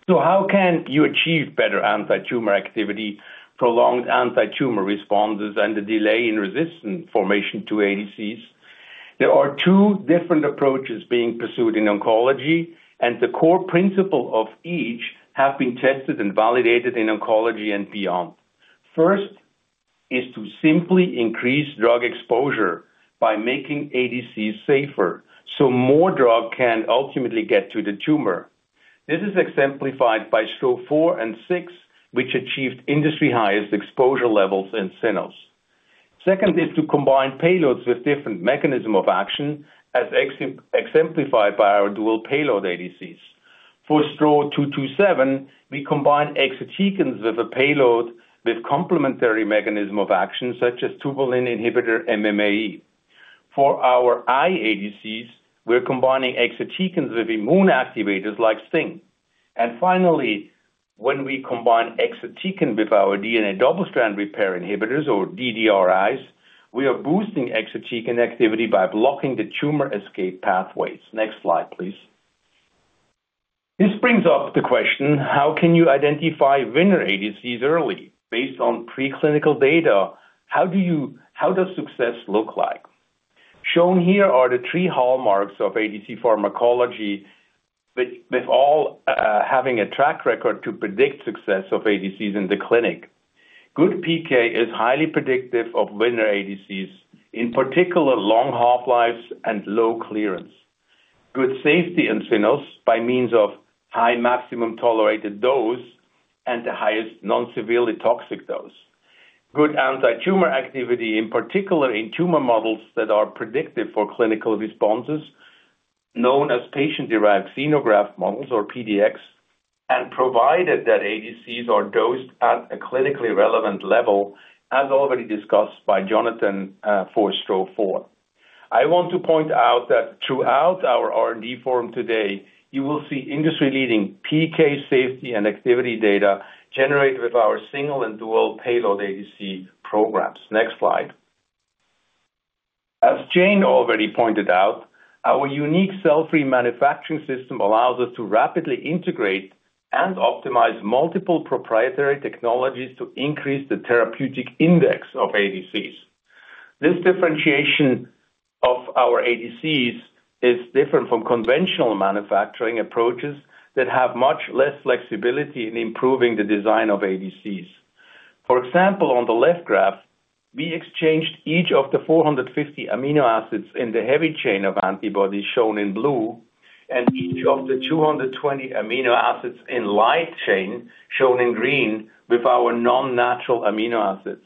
How can you achieve better anti-tumor activity, prolonged anti-tumor responses, and the delay in resistance formation to ADCs? There are two different approaches being pursued in oncology, and the core principle of each has been tested and validated in oncology and beyond. First is to simply increase drug exposure by making ADCs safer so more drug can ultimately get to the tumor. This is exemplified by STRO-004 and STRO-006, which achieved industry-highest exposure levels in cynos. Second is to combine payloads with different mechanisms of action, as exemplified by our dual payload ADCs. For STRO-227, we combine exatecans with a payload with complementary mechanism of action, such as tubulin inhibitor MMAE. For our iADCs, we're combining exatecans with immune activators like STING. Finally, when we combine exatecan with our DNA double-strand repair inhibitors, or DDRIs, we are boosting exatecan activity by blocking the tumor escape pathways. Next slide, please. This brings up the question, how can you identify winner ADCs early? Based on preclinical data, how do you—how does success look like? Shown here are the three hallmarks of ADC pharmacology, with all having a track record to predict success of ADCs in the clinic. Good PK is highly predictive of winner ADCs, in particular, long half-lives and low clearance. Good safety in cynos by means of high maximum tolerated dose and the highest non-severe toxic dose. Good anti-tumor activity, in particular, in tumor models that are predictive for clinical responses, known as patient-derived xenograft models or PDX, and provided that ADCs are dosed at a clinically relevant level, as already discussed by Jonathan for STRO-004. I want to point out that throughout our R&D forum today, you will see industry-leading PK, safety, and activity data generated with our single and dual payload ADC programs. Next slide. As Jane already pointed out, our unique cell-free manufacturing system allows us to rapidly integrate and optimize multiple proprietary technologies to increase the therapeutic index of ADCs. This differentiation of our ADCs is different from conventional manufacturing approaches that have much less flexibility in improving the design of ADCs. For example, on the left graph, we exchanged each of the 450 amino acids in the heavy chain of antibodies shown in blue and each of the 220 amino acids in light chain shown in green with our non-natural amino acids.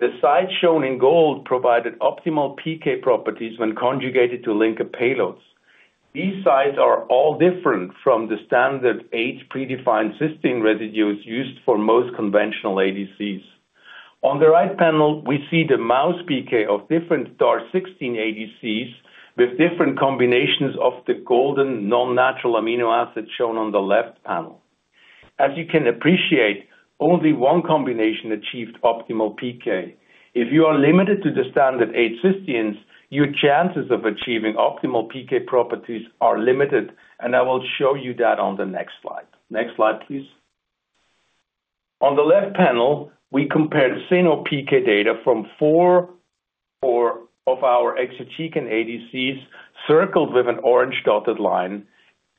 The sites shown in gold provided optimal PK properties when conjugated to linker payloads. These sites are all different from the standard eight predefined cysteine residues used for most conventional ADCs. On the right panel, we see the mouse PK of different DAR16 ADCs with different combinations of the golden non-natural amino acids shown on the left panel. As you can appreciate, only one combination achieved optimal PK. If you are limited to the standard eight cysteines, your chances of achieving optimal PK properties are limited, and I will show you that on the next slide. Next slide, please. On the left panel, we compared cyno-PK data from four or more of our exatecan ADCs circled with an orange dotted line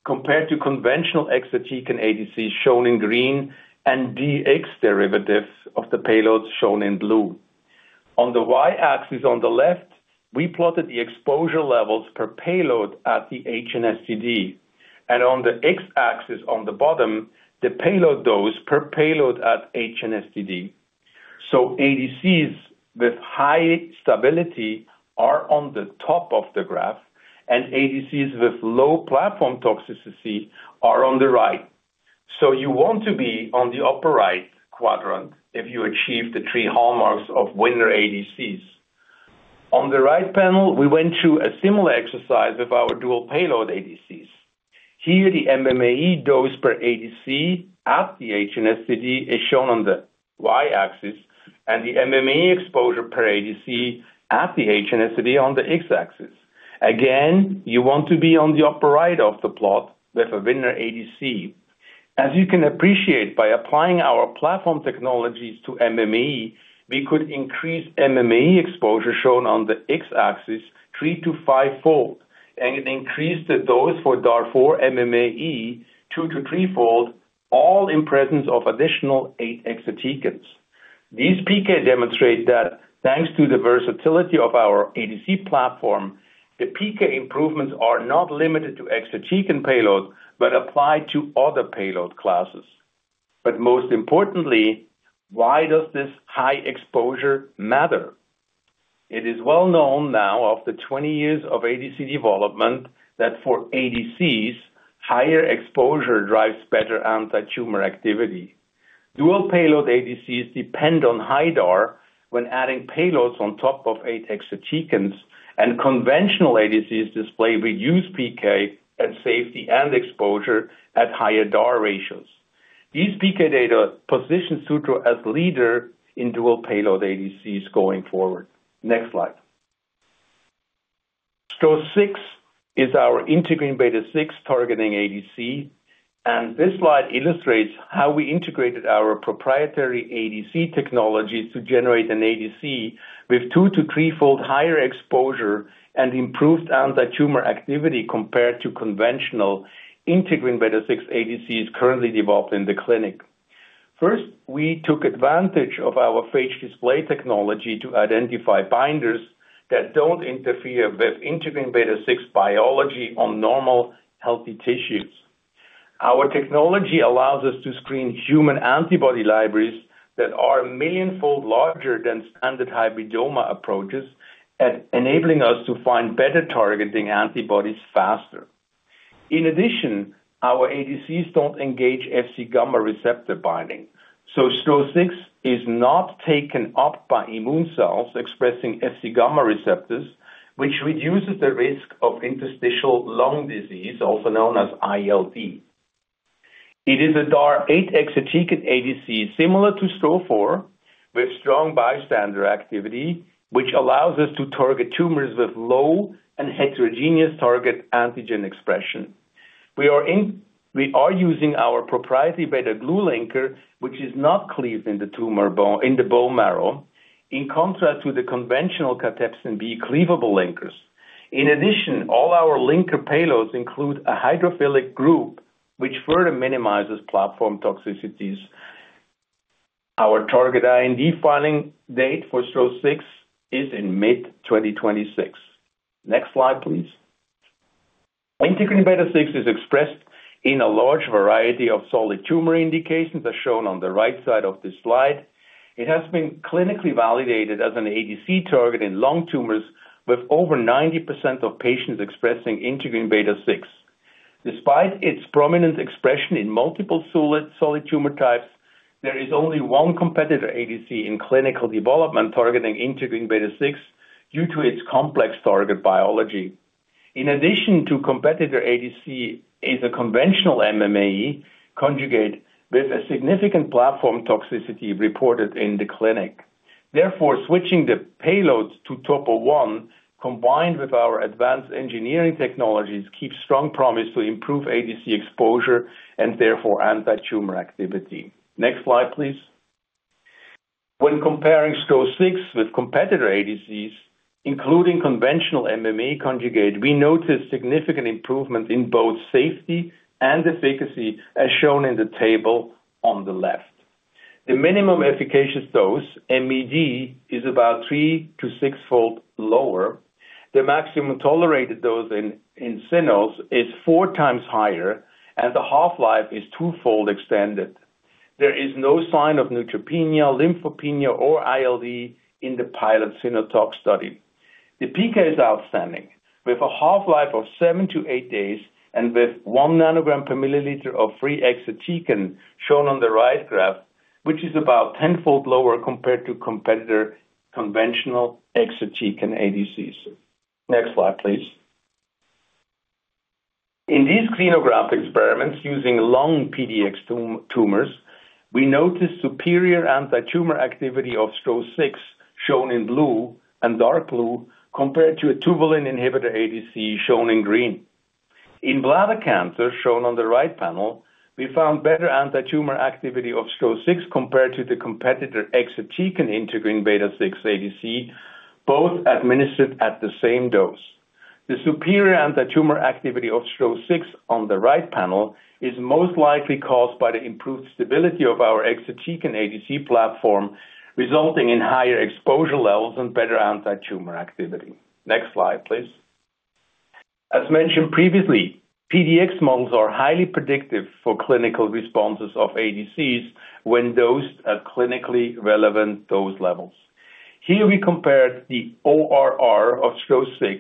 compared to conventional exatecan ADCs shown in green and DX derivative of the payloads shown in blue. On the Y-axis on the left, we plotted the exposure levels per payload at the HNSTD, and on the X-axis on the bottom, the payload dose per payload at HNSTD. ADCs with high stability are on the top of the graph, and ADCs with low platform toxicity are on the right. You want to be on the upper right quadrant if you achieve the three hallmarks of winner ADCs. On the right panel, we went through a similar exercise with our dual payload ADCs. Here, the MMAE dose per ADC at the HNSTD is shown on the Y-axis, and the MMAE exposure per ADC at the HNSTD on the X-axis. Again, you want to be on the upper right of the plot with a winner ADC. As you can appreciate, by applying our platform technologies to MMAE, we could increase MMAE exposure shown on the X-axis three- to five-fold, and increase the dose for DAR4 MMAE two- to three-fold, all in presence of additional eight exatecans. These PK demonstrate that thanks to the versatility of our ADC platform, the PK improvements are not limited to exatecan payload but apply to other payload classes. Most importantly, why does this high exposure matter? It is well known now, after 20 years of ADC development, that for ADCs, higher exposure drives better anti-tumor activity. Dual payload ADCs depend on high DAR when adding payloads on top of eight exatecans, and conventional ADCs display reduced PK and safety and exposure at higher DAR ratios. These PK data position Sutro as leader in dual payload ADCs going forward. Next slide. STRO-006 is our integrin beta-6 targeting ADC, and this slide illustrates how we integrated our proprietary ADC technologies to generate an ADC with two- to three-fold higher exposure and improved anti-tumor activity compared to conventional integrin beta-6 ADCs currently developed in the clinic. First, we took advantage of our phage display technology to identify binders that do not interfere with integrin beta-6 biology on normal healthy tissues. Our technology allows us to screen human antibody libraries that are million-fold larger than standard hybridoma approaches, enabling us to find better targeting antibodies faster. In addition, our ADCs don't engage Fcγ receptor binding, so STRO-006 is not taken up by immune cells expressing Fcγ receptors, which reduces the risk of interstitial lung disease, also known as ILD. It is a DAR 8 exatecan ADC similar to STRO-004 with strong bystander activity, which allows us to target tumors with low and heterogeneous target antigen expression. We are using our proprietary beta-glucuronidase linker, which is not cleaved in the bone marrow, in contrast to the conventional cathepsin B cleavable linkers. In addition, all our linker payloads include a hydrophilic group, which further minimizes platform toxicities. Our target IND filing date for STRO-006 is in mid-2026. Next slide, please. Integrin beta-6 is expressed in a large variety of solid tumor indications as shown on the right side of this slide. It has been clinically validated as an ADC target in lung tumors with over 90% of patients expressing integrin beta-6. Despite its prominent expression in multiple solid tumor types, there is only one competitor ADC in clinical development targeting integrin beta-6 due to its complex target biology. In addition to competitor ADC, it is a conventional MMAE conjugate with a significant platform toxicity reported in the clinic. Therefore, switching the payloads to Topo 1 combined with our advanced engineering technologies keeps strong promise to improve ADC exposure and therefore anti-tumor activity. Next slide, please. When comparing STRO-006 with competitor ADCs, including conventional MMAE conjugate, we notice significant improvements in both safety and efficacy, as shown in the table on the left. The minimum efficacious dose, MED, is about three- to six-fold lower. The maximum tolerated dose in cynos is four times higher, and the half-life is two-fold extended. There is no sign of neutropenia, lymphopenia, or ILD in the pilot cyno tox study. The PK is outstanding, with a half-life of seven to eight days and with one nanogram per milliliter of free exatecan shown on the right graph, which is about ten-fold lower compared to competitor conventional exatecan ADCs. Next slide, please. In these xenograft experiments using lung PDX tumors, we notice superior anti-tumor activity of STRO-006, shown in blue and dark blue, compared to a tubulin inhibitor ADC shown in green. In bladder cancer, shown on the right panel, we found better anti-tumor activity of STRO-006 compared to the competitor exatecan integrin beta-6 ADC, both administered at the same dose. The superior anti-tumor activity of STRO-006 on the right panel is most likely caused by the improved stability of our exatecan ADC platform, resulting in higher exposure levels and better anti-tumor activity. Next slide, please. As mentioned previously, PDX models are highly predictive for clinical responses of ADCs when dosed at clinically relevant dose levels. Here, we compared the ORR of STRO-006,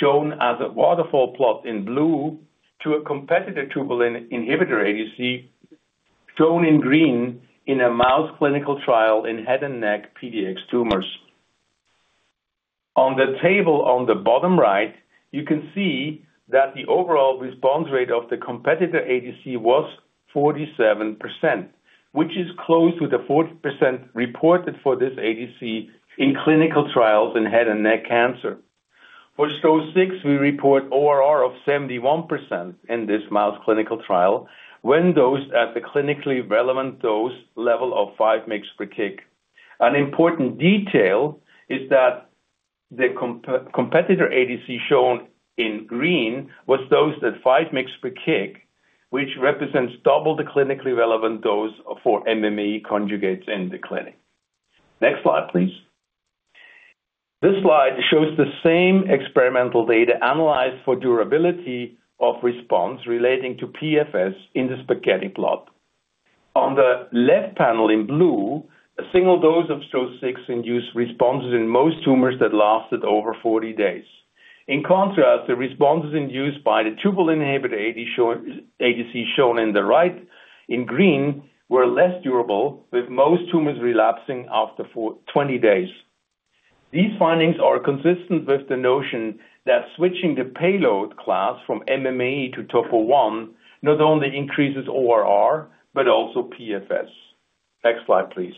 shown as a waterfall plot in blue, to a competitor tubulin inhibitor ADC, shown in green in a mouse clinical trial in head and neck PDX tumors. On the table on the bottom right, you can see that the overall response rate of the competitor ADC was 47%, which is close to the 40% reported for this ADC in clinical trials in head and neck cancer. For STRO-006, we report ORR of 71% in this mouse clinical trial when dosed at the clinically relevant dose level of 5 mg per kg. An important detail is that the competitor ADC shown in green was dosed at 5 mg per kg, which represents double the clinically relevant dose for MMAE conjugates in the clinic. Next slide, please. This slide shows the same experimental data analyzed for durability of response relating to PFS in the spaghetti plot. On the left panel in blue, a single dose of STRO-006 induced responses in most tumors that lasted over 40 days. In contrast, the responses induced by the tubulin inhibitor ADC shown on the right in green were less durable, with most tumors relapsing after 20 days. These findings are consistent with the notion that switching the payload class from MMAE to Topo 1 not only increases ORR but also PFS. Next slide, please.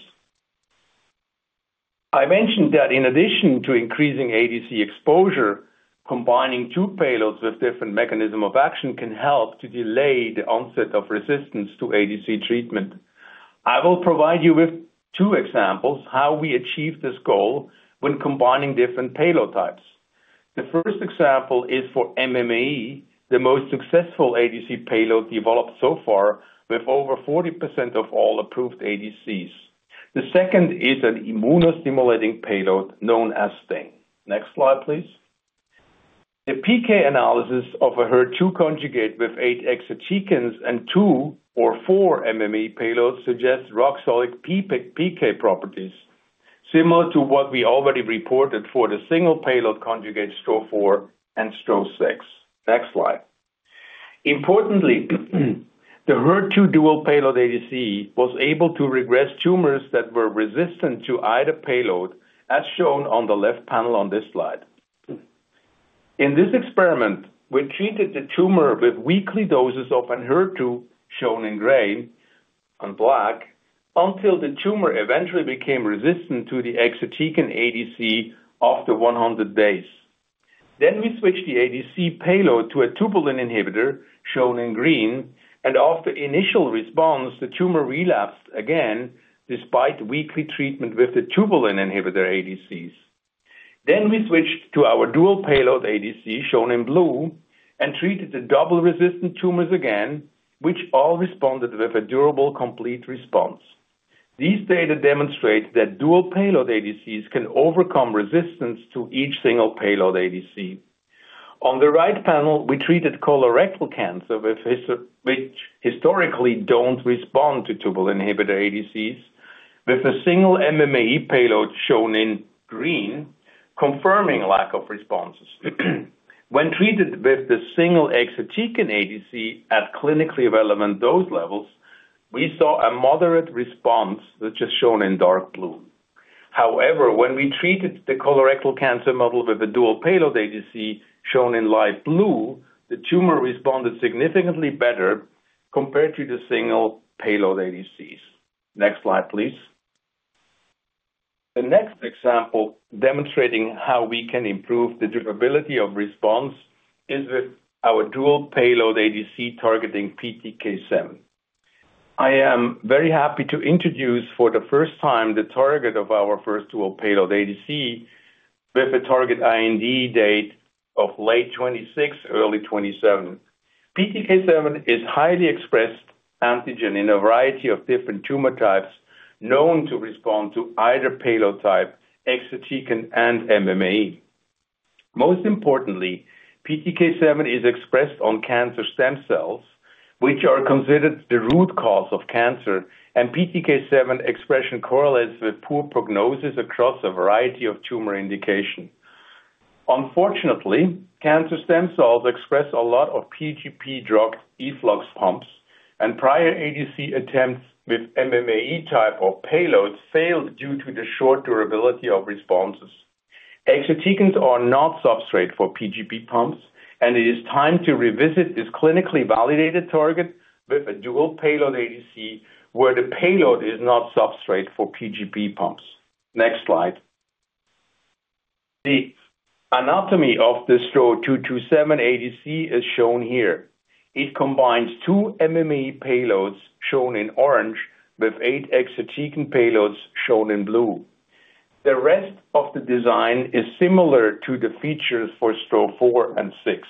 I mentioned that in addition to increasing ADC exposure, combining two payloads with different mechanisms of action can help to delay the onset of resistance to ADC treatment. I will provide you with two examples of how we achieved this goal when combining different payload types. The first example is for MMAE, the most successful ADC payload developed so far with over 40% of all approved ADCs. The second is an immunostimulating payload known as STING. Next slide, please. The PK analysis of a HER2 conjugate with eight exatecans and two or four MMAE payloads suggests rock-solid PK properties, similar to what we already reported for the single payload conjugate STRO-004 and STRO-006. Next slide. Importantly, the HER2 dual payload ADC was able to regress tumors that were resistant to either payload, as shown on the left panel on this slide. In this experiment, we treated the tumor with weekly doses of an HER2 shown in gray on black until the tumor eventually became resistant to the exatecan ADC after 100 days. We switched the ADC payload to a tubulin inhibitor shown in green, and after initial response, the tumor relapsed again despite weekly treatment with the tubulin inhibitor ADCs. We switched to our dual payload ADC shown in blue and treated the double resistant tumors again, which all responded with a durable complete response. These data demonstrate that dual payload ADCs can overcome resistance to each single payload ADC. On the right panel, we treated colorectal cancer, which historically do not respond to tubulin inhibitor ADCs, with a single MMAE payload shown in green, confirming lack of responses. When treated with the single exatecan ADC at clinically relevant dose levels, we saw a moderate response which is shown in dark blue. However, when we treated the colorectal cancer model with the dual payload ADC shown in light blue, the tumor responded significantly better compared to the single payload ADCs. Next slide, please. The next example demonstrating how we can improve the durability of response is with our dual payload ADC targeting PTK7. I am very happy to introduce for the first time the target of our first dual payload ADC with a target IND date of late 2026, early 2027. PTK7 is a highly expressed antigen in a variety of different tumor types known to respond to either payload type, exatecan, and MMAE. Most importantly, PTK7 is expressed on cancer stem cells, which are considered the root cause of cancer, and PTK7 expression correlates with poor prognosis across a variety of tumor indications. Unfortunately, cancer stem cells express a lot of PGP drug efflux pumps, and prior ADC attempts with MMAE type of payloads failed due to the short durability of responses. Exatecans are not substrate for PGP pumps, and it is time to revisit this clinically validated target with a dual payload ADC where the payload is not substrate for PGP pumps. Next slide. The anatomy of the STRO-227 ADC is shown here. It combines two MMAE payloads shown in orange with eight exatecan payloads shown in blue. The rest of the design is similar to the features for STRO-004 and STRO-006.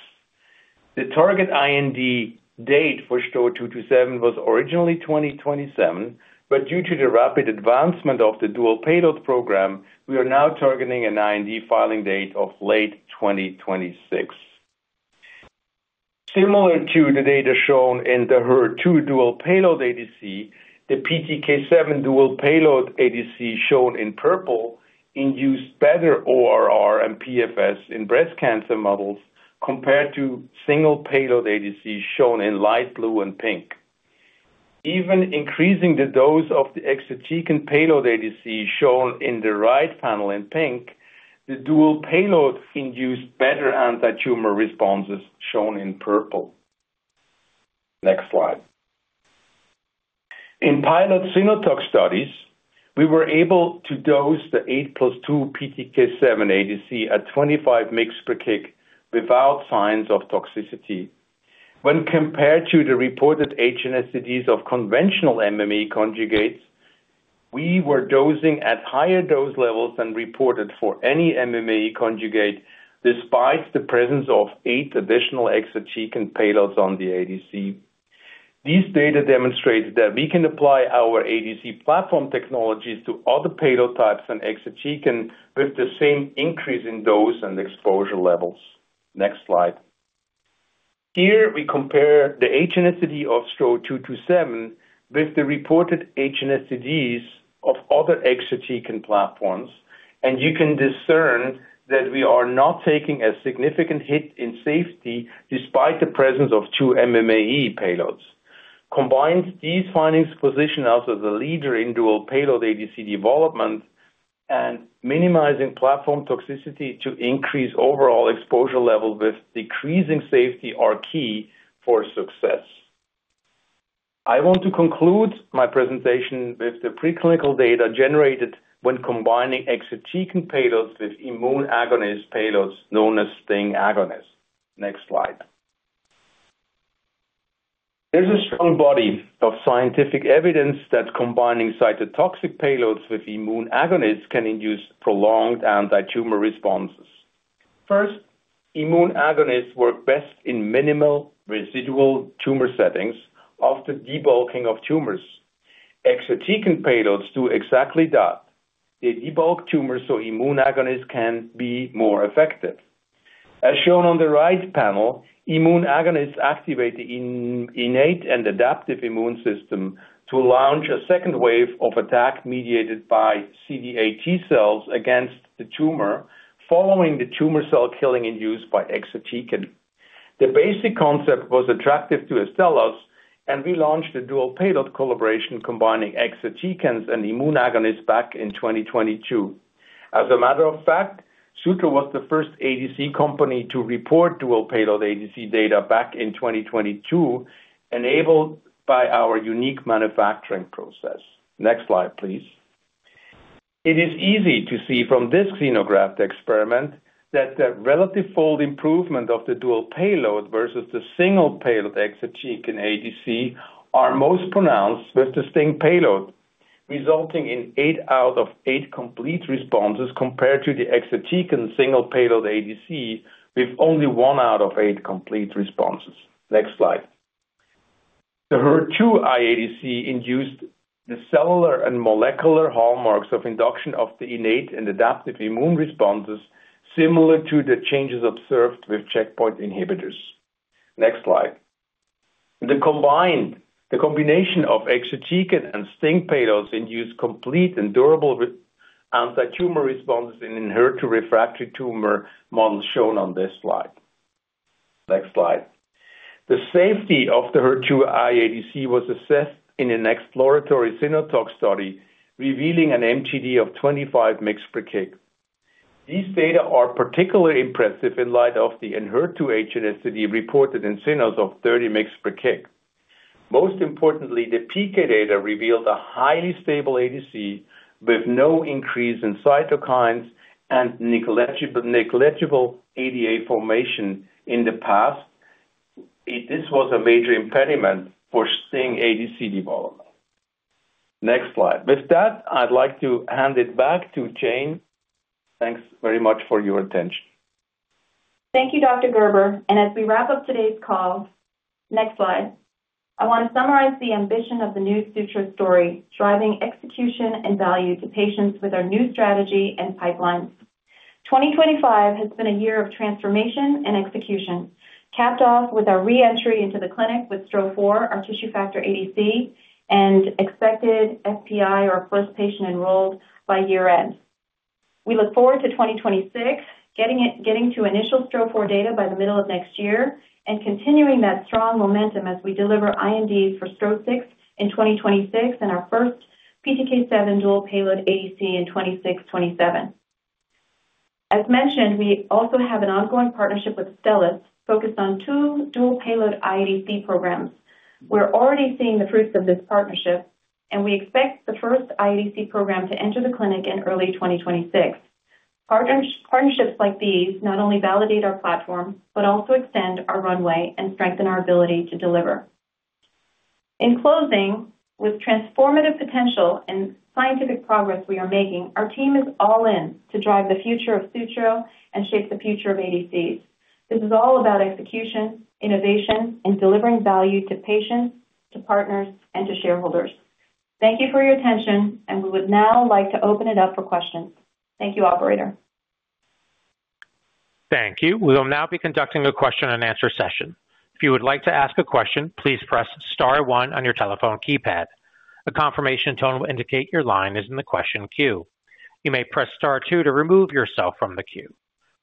The target IND date for STRO-227 was originally 2027, but due to the rapid advancement of the dual payload program, we are now targeting an IND filing date of late 2026. Similar to the data shown in the HER2 dual payload ADC, the PTK7 dual payload ADC shown in purple induced better ORR and PFS in breast cancer models compared to single payload ADC shown in light blue and pink. Even increasing the dose of the exatecan payload ADC shown in the right panel in pink, the dual payload induced better anti-tumor responses shown in purple. Next slide. In pilot cyno tox studies, we were able to dose the 8 plus 2 PTK7 ADC at 25 mg per kg without signs of toxicity. When compared to the reported HNSTD of conventional MMAE conjugates, we were dosing at higher dose levels than reported for any MMAE conjugate despite the presence of eight additional exatecan payloads on the ADC. These data demonstrate that we can apply our ADC platform technologies to other payload types and exatecan with the same increase in dose and exposure levels. Next slide. Here, we compare the HNSTD of STRO-227 with the reported HNSTD of other exatecan platforms, and you can discern that we are not taking a significant hit in safety despite the presence of two MMAE payloads. Combined, these findings position us as a leader in dual payload ADC development, and minimizing platform toxicity to increase overall exposure level with decreasing safety are key for success. I want to conclude my presentation with the preclinical data generated when combining exatecan payloads with immune agonist payloads known as STING agonists. Next slide. There is a strong body of scientific evidence that combining cytotoxic payloads with immune agonists can induce prolonged anti-tumor responses. First, immune agonists work best in minimal residual tumor settings after debulking of tumors. Exatecan payloads do exactly that. They debulk tumors so immune agonists can be more effective. As shown on the right panel, immune agonists activate the innate and adaptive immune system to launch a second wave of attack mediated by CD8 T cells against the tumor following the tumor cell killing induced by exatecan. The basic concept was attractive to Astellas, and we launched a dual payload collaboration combining exatecans and immune agonists back in 2022. As a matter of fact, Sutro was the first ADC company to report dual payload ADC data back in 2022, enabled by our unique manufacturing process. Next slide, please. It is easy to see from this xenograft experiment that the relative fold improvement of the dual payload versus the single payload exatecan ADC are most pronounced with the STING payload, resulting in eight out of eight complete responses compared to the exatecan single payload ADC with only one out of eight complete responses. Next slide. The HER2 iADC induced the cellular and molecular hallmarks of induction of the innate and adaptive immune responses, similar to the changes observed with checkpoint inhibitors. Next slide. The combination of exatecan and STING payloads induced complete and durable anti-tumor responses in an HER2 refractory tumor model shown on this slide. Next slide. The safety of the HER2 iADC was assessed in an exploratory cynotox study revealing an MTD of 25 mg per kg. These data are particularly impressive in light of the inherited HNSTD reported in cynos of 30 mg per kg. Most importantly, the PK data revealed a highly stable ADC with no increase in cytokines and negligible ADA formation in the past. This was a major impediment for STING ADC development. Next slide. With that, I'd like to hand it back to Jane. Thanks very much for your attention. Thank you, Dr. Gerber. As we wrap up today's call, next slide, I want to summarize the ambition of the new Sutro story, driving execution and value to patients with our new strategy and pipelines. 2025 has been a year of transformation and execution, capped off with our re-entry into the clinic with STRO-004, our tissue factor ADC, and expected FPI, or first patient enrolled, by year-end. We look forward to 2026, getting to initial STRO-004 data by the middle of next year and continuing that strong momentum as we deliver INDs for STRO-006 in 2026 and our first PTK7 dual payload ADC in 2026-2027. As mentioned, we also have an ongoing partnership with Astellas focused on two dual payload iADC programs. We're already seeing the fruits of this partnership, and we expect the first iADC program to enter the clinic in early 2026. Partnerships like these not only validate our platform, but also extend our runway and strengthen our ability to deliver. In closing, with transformative potential and scientific progress we are making, our team is all in to drive the future of Sutro and shape the future of ADCs. This is all about execution, innovation, and delivering value to patients, to partners, and to shareholders. Thank you for your attention, and we would now like to open it up for questions. Thank you, Operator. Thank you. We will now be conducting a question-and-answer session. If you would like to ask a question, please press Star one on your telephone keypad. A confirmation tone will indicate your line is in the question queue. You may press Star two to remove yourself from the queue.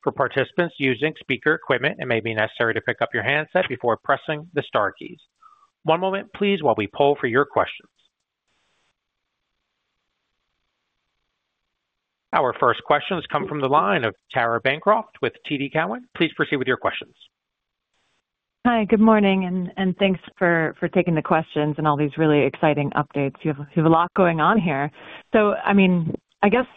For participants using speaker equipment, it may be necessary to pick up your handset before pressing the Star keys. One moment, please, while we poll for your questions. Our first questions come from the line of Tara Bancroft with TD Cowen. Please proceed with your questions. Hi, good morning, and thanks for taking the questions and all these really exciting updates. You have a lot going on here. I mean, I guess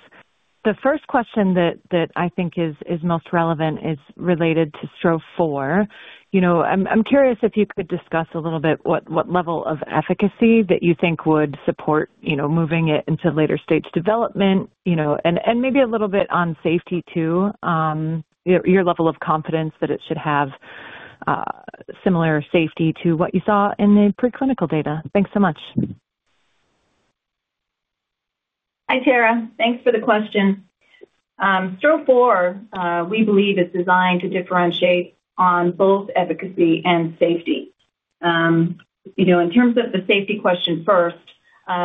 the first question that I think is most relevant is related to STRO-004. You know, I'm curious if you could discuss a little bit what level of efficacy that you think would support, you know, moving it into later stage development, you know, and maybe a little bit on safety too, your level of confidence that it should have similar safety to what you saw in the preclinical data. Thanks so much. Hi, Tara. Thanks for the question. STRO-004, we believe is designed to differentiate on both efficacy and safety. You know, in terms of the safety question first,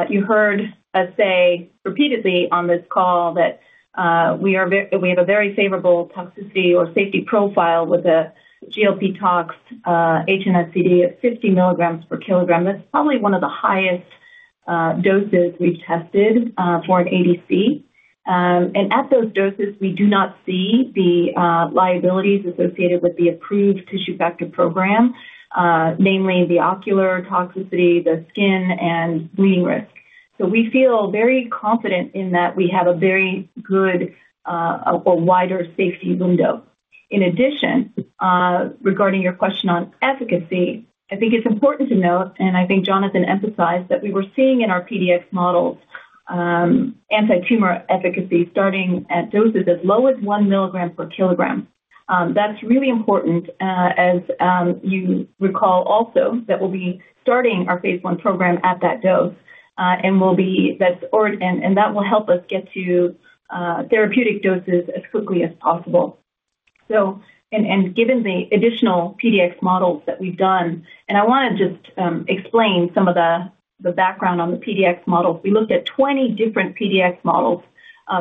you heard us say repeatedly on this call that we have a very favorable toxicity or safety profile with a GLP tox HNSTD of 50 milligrams per kilogram. That's probably one of the highest doses we've tested for an ADC. At those doses, we do not see the liabilities associated with the approved tissue factor program, namely the ocular toxicity, the skin, and bleeding risk. We feel very confident in that we have a very good or wider safety window. In addition, regarding your question on efficacy, I think it's important to note, and I think Jonathan emphasized that we were seeing in our PDX models anti-tumor efficacy starting at doses as low as one milligram per kilogram. That's really important, as you recall also that we'll be starting our phase I program at that dose, and that will help us get to therapeutic doses as quickly as possible. Given the additional PDX models that we've done, and I want to just explain some of the background on the PDX models. We looked at 20 different PDX models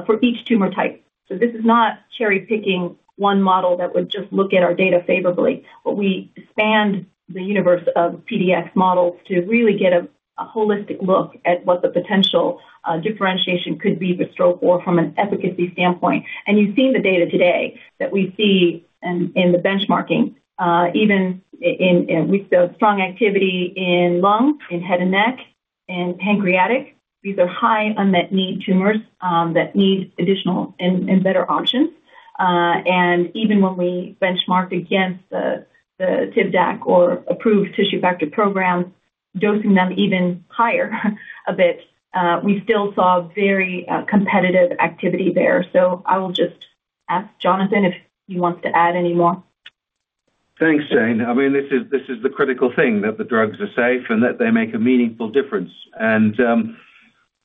for each tumor type. This is not cherry-picking one model that would just look at our data favorably, but we expand the universe of PDX models to really get a holistic look at what the potential differentiation could be for STRO-004 from an efficacy standpoint. You've seen the data today that we see in the benchmarking, even with the strong activity in lung, in head and neck, and pancreatic. These are high unmet need tumors that need additional and better options. Even when we benchmarked against the TIVDAC or approved tissue factor programs, dosing them even higher a bit, we still saw very competitive activity there. I will just ask Jonathan if he wants to add any more. Thanks, Jane. I mean, this is the critical thing, that the drugs are safe and that they make a meaningful difference.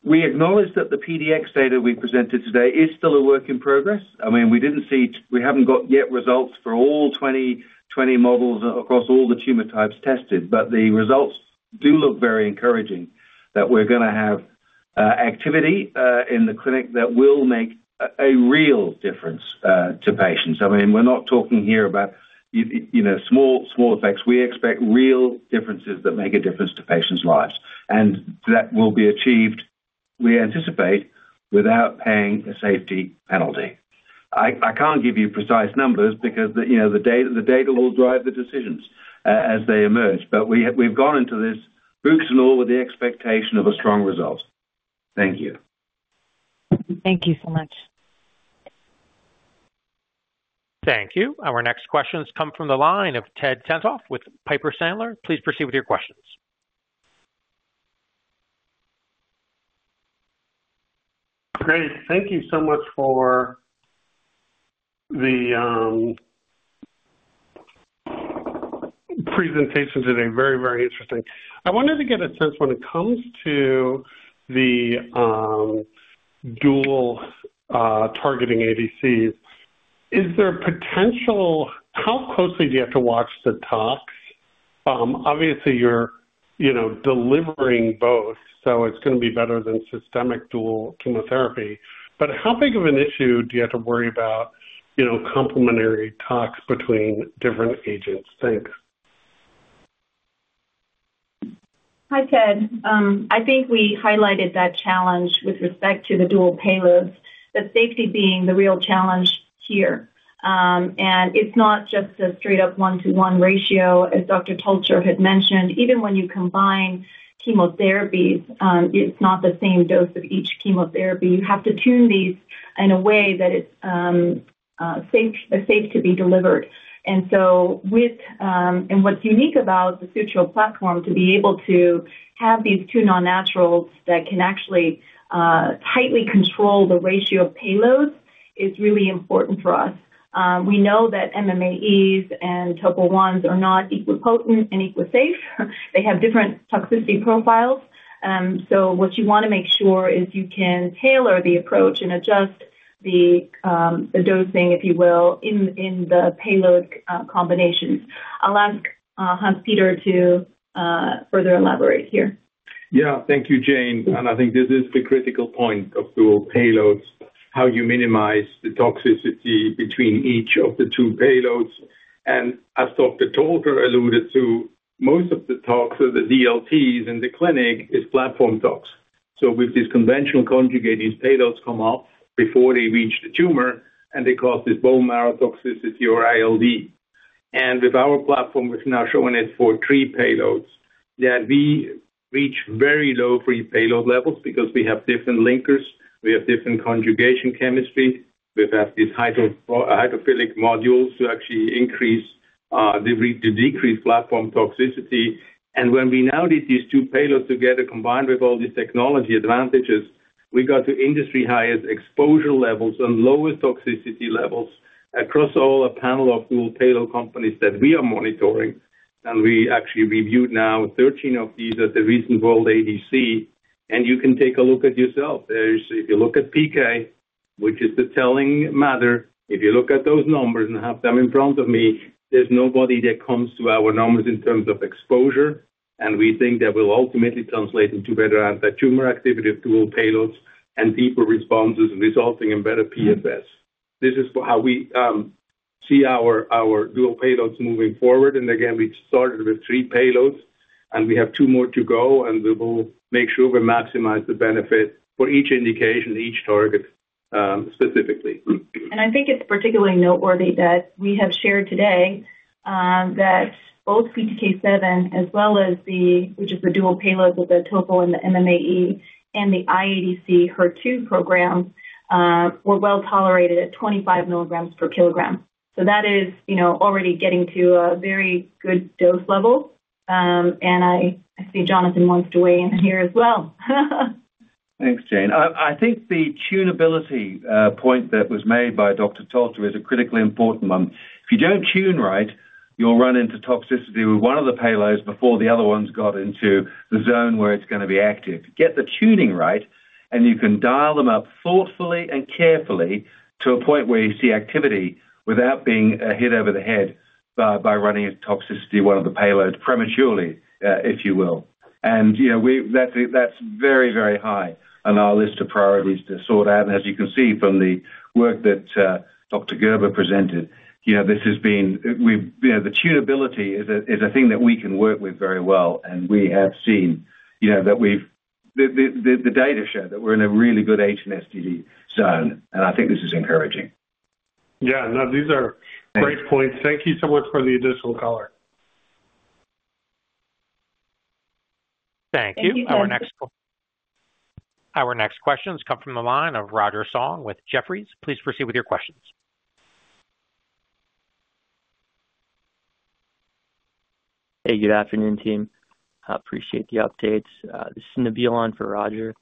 We acknowledge that the PDX data we presented today is still a work in progress. I mean, we did not see, we have not got yet results for all 20 models across all the tumor types tested, but the results do look very encouraging that we are going to have activity in the clinic that will make a real difference to patients. I mean, we are not talking here about, you know, small effects. We expect real differences that make a difference to patients' lives, and that will be achieved, we anticipate, without paying a safety penalty. I can't give you precise numbers because the data will drive the decisions as they emerge, but we've gone into this boots and all with the expectation of a strong result. Thank you. Thank you so much. Thank you. Our next questions come from the line of Ted Tenthoff with Piper Sandler. Please proceed with your questions. Great. Thank you so much for the presentation today. Very, very interesting. I wanted to get a sense when it comes to the dual targeting ADCs, is there potential? How closely do you have to watch the tox? Obviously, you're, you know, delivering both, so it's going to be better than systemic dual chemotherapy. How big of an issue do you have to worry about, you know, complementary tox between different agents? Thanks. Hi, Ted. I think we highlighted that challenge with respect to the dual payloads, that safety being the real challenge here. It's not just a straight-up one-to-one ratio, as Dr. Tolcher had mentioned. Even when you combine chemotherapies, it's not the same dose of each chemotherapy. You have to tune these in a way that is safe to be delivered. With what's unique about the Sutro platform, to be able to have these two non-naturals that can actually tightly control the ratio of payloads is really important for us. We know that MMAEs and Topo 1s are not equal potent and equal safe. They have different toxicity profiles. What you want to make sure is you can tailor the approach and adjust the dosing, if you will, in the payload combinations. I'll ask Hans-Peter to further elaborate here. Yeah, thank you, Jane. I think this is the critical point of dual payloads, how you minimize the toxicity between each of the two payloads. As Dr. Tolcher alluded to, most of the tox or the DLTs in the clinic is platform tox. With these conventional conjugated payloads, they come up before they reach the tumor, and they cause this bone marrow toxicity or ILD. With our platform, we've now shown it for three payloads that we reach very low free payload levels because we have different linkers. We have different conjugation chemistry. We've had these hydrophilic modules to actually increase the decrease platform toxicity. When we now did these two payloads together, combined with all these technology advantages, we got to industry-highest exposure levels and lowest toxicity levels across a panel of dual payload companies that we are monitoring. We actually reviewed now 13 of these at the recent World ADC. You can take a look at yourself. If you look at PK, which is the telling mother, if you look at those numbers and have them in front of me, there is nobody that comes to our numbers in terms of exposure. We think that will ultimately translate into better anti-tumor activity of dual payloads and deeper responses resulting in better PFS. This is how we see our dual payloads moving forward. Again, we started with three payloads, and we have two more to go, and we will make sure we maximize the benefit for each indication, each target specifically. I think it's particularly noteworthy that we have shared today that both PTK7, as well as the dual payloads of the Topo and the MMAE and the iADC HER2 programs, were well tolerated at 25 mg per kg. That is, you know, already getting to a very good dose level. I see Jonathan wants to weigh in here as well. Thanks, Jane. I think the tunability point that was made by Dr. Tolcher is a critically important one. If you don't tune right, you'll run into toxicity with one of the payloads before the other one's got into the zone where it's going to be active. Get the tuning right, and you can dial them up thoughtfully and carefully to a point where you see activity without being hit over the head by running into toxicity of one of the payloads prematurely, if you will. You know, that's very, very high on our list of priorities to sort out. As you can see from the work that Dr. Gerber presented, you know, this has been, the tunability is a thing that we can work with very well. We have seen, you know, that we've, the data show that we're in a really good HNSTD zone. I think this is encouraging. Yeah, no, these are great points. Thank you so much for the additional color. Thank you. Our next questions come from the line of Roger Song with Jefferies. Please proceed with your questions. Hey, good afternoon, team. Appreciate the updates. This is Nabeel for Roger.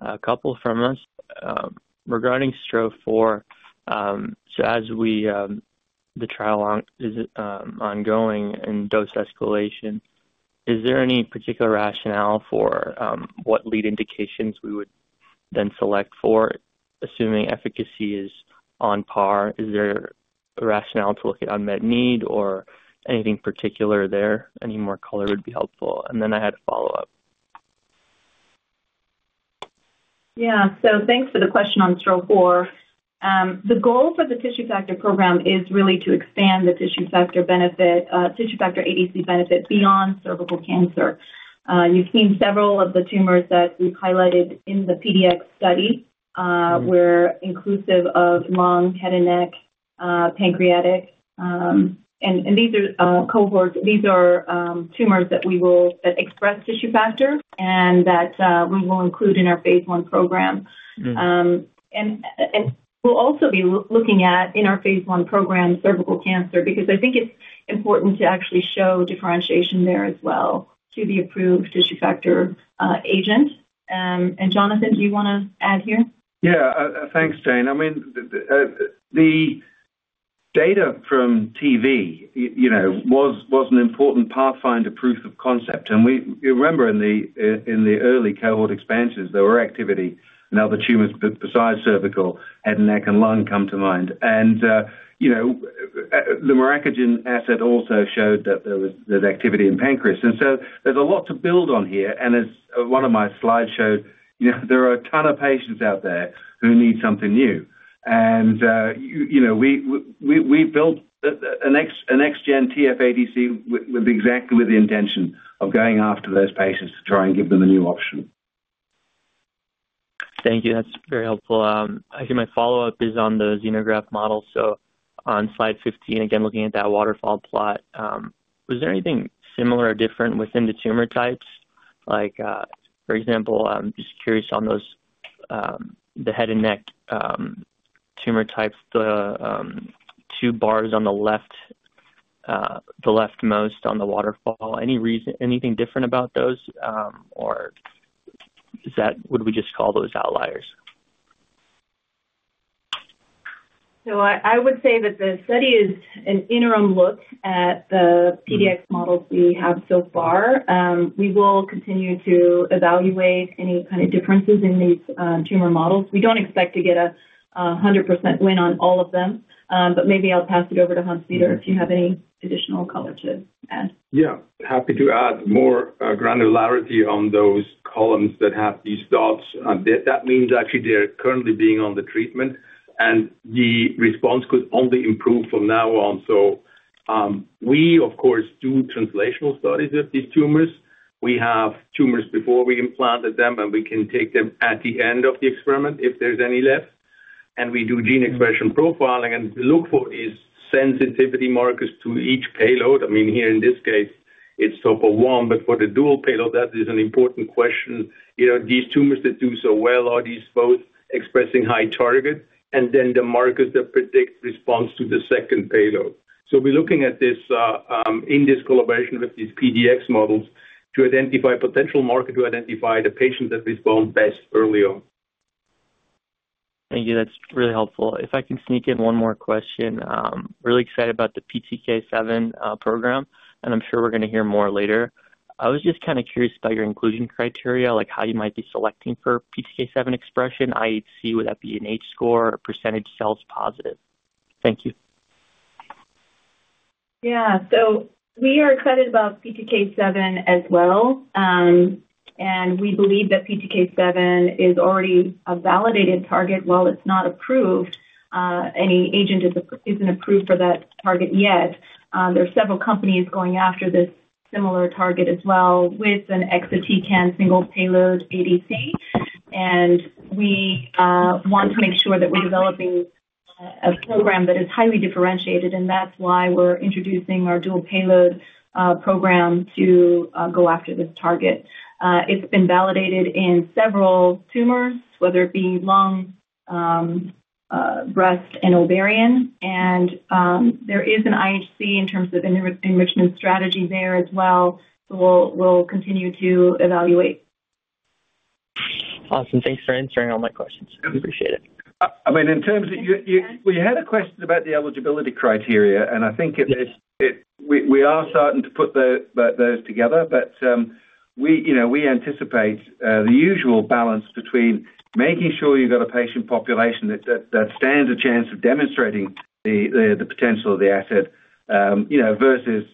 A couple from us regarding STRO-004. As the trial is ongoing and dose escalation, is there any particular rationale for what lead indications we would then select for, assuming efficacy is on par? Is there a rationale to look at unmet need or anything particular there? Any more color would be helpful. I had a follow-up. Yeah, thanks for the question on STRO-004. The goal for the tissue factor program is really to expand the tissue factor benefit, tissue factor ADC benefit beyond cervical cancer. You've seen several of the tumors that we've highlighted in the PDX study were inclusive of lung, head and neck, pancreatic. These are cohorts, these are tumors that express tissue factor and that we will include in our phase one program. We will also be looking at, in our phase one program, cervical cancer, because I think it's important to actually show differentiation there as well to the approved tissue factor agent. Jonathan, do you want to add here? Yeah, thanks, Jane. I mean, the data from TV, you know, was an important pathfinder proof of concept. We remember in the early cohort expansions, there were activity in other tumors besides cervical, head and neck and lung come to mind. You know, the miracogene asset also showed that there was that activity in pancreas. There is a lot to build on here. As one of my slides showed, you know, there are a ton of patients out there who need something new. You know, we built an XGen TFADC with exactly the intention of going after those patients to try and give them a new option. Thank you. That's very helpful. I think my follow-up is on the xenograft model. On slide 15, again, looking at that waterfall plot, was there anything similar or different within the tumor types? Like, for example, just curious on those, the head and neck tumor types, the two bars on the left, the leftmost on the waterfall, any reason, anything different about those? Or is that, would we just call those outliers? I would say that the study is an interim look at the PDX models we have so far. We will continue to evaluate any kind of differences in these tumor models. We don't expect to get a 100% win on all of them, but maybe I'll pass it over to Hans-Peter if you have any additional color to add. Yeah, happy to add more granularity on those columns that have these dots. That means actually they're currently being on the treatment, and the response could only improve from now on. We, of course, do translational studies of these tumors. We have tumors before we implanted them, and we can take them at the end of the experiment if there's any left. We do gene expression profiling and look for these sensitivity markers to each payload. I mean, here in this case, it's Topo 1, but for the dual payload, that is an important question. You know, these tumors that do so well, are these both expressing high target? And then the markers that predict response to the second payload. We're looking at this in this collaboration with these PDX models to identify potential marker to identify the patient that responds best early on. Thank you. That's really helpful. If I can sneak in one more question, really excited about the PTK7 program, and I'm sure we're going to hear more later. I was just kind of curious about your inclusion criteria, like how you might be selecting for PTK7 expression, IHC with FE&H score, or percentage cells positive. Thank you. Yeah, we are excited about PTK7 as well. We believe that PTK7 is already a validated target. While it's not approved, any agent isn't approved for that target yet. There are several companies going after this similar target as well with an exotic single payload ADC. We want to make sure that we're developing a program that is highly differentiated, and that's why we're introducing our dual payload program to go after this target. It's been validated in several tumors, whether it be lung, breast, and ovarian. There is an IHC in terms of enrichment strategy there as well. We'll continue to evaluate. Awesome. Thanks for answering all my questions. I appreciate it. I mean, in terms of, we had a question about the eligibility criteria, and I think we are starting to put those together, but we anticipate the usual balance between making sure you've got a patient population that stands a chance of demonstrating the potential of the asset, versus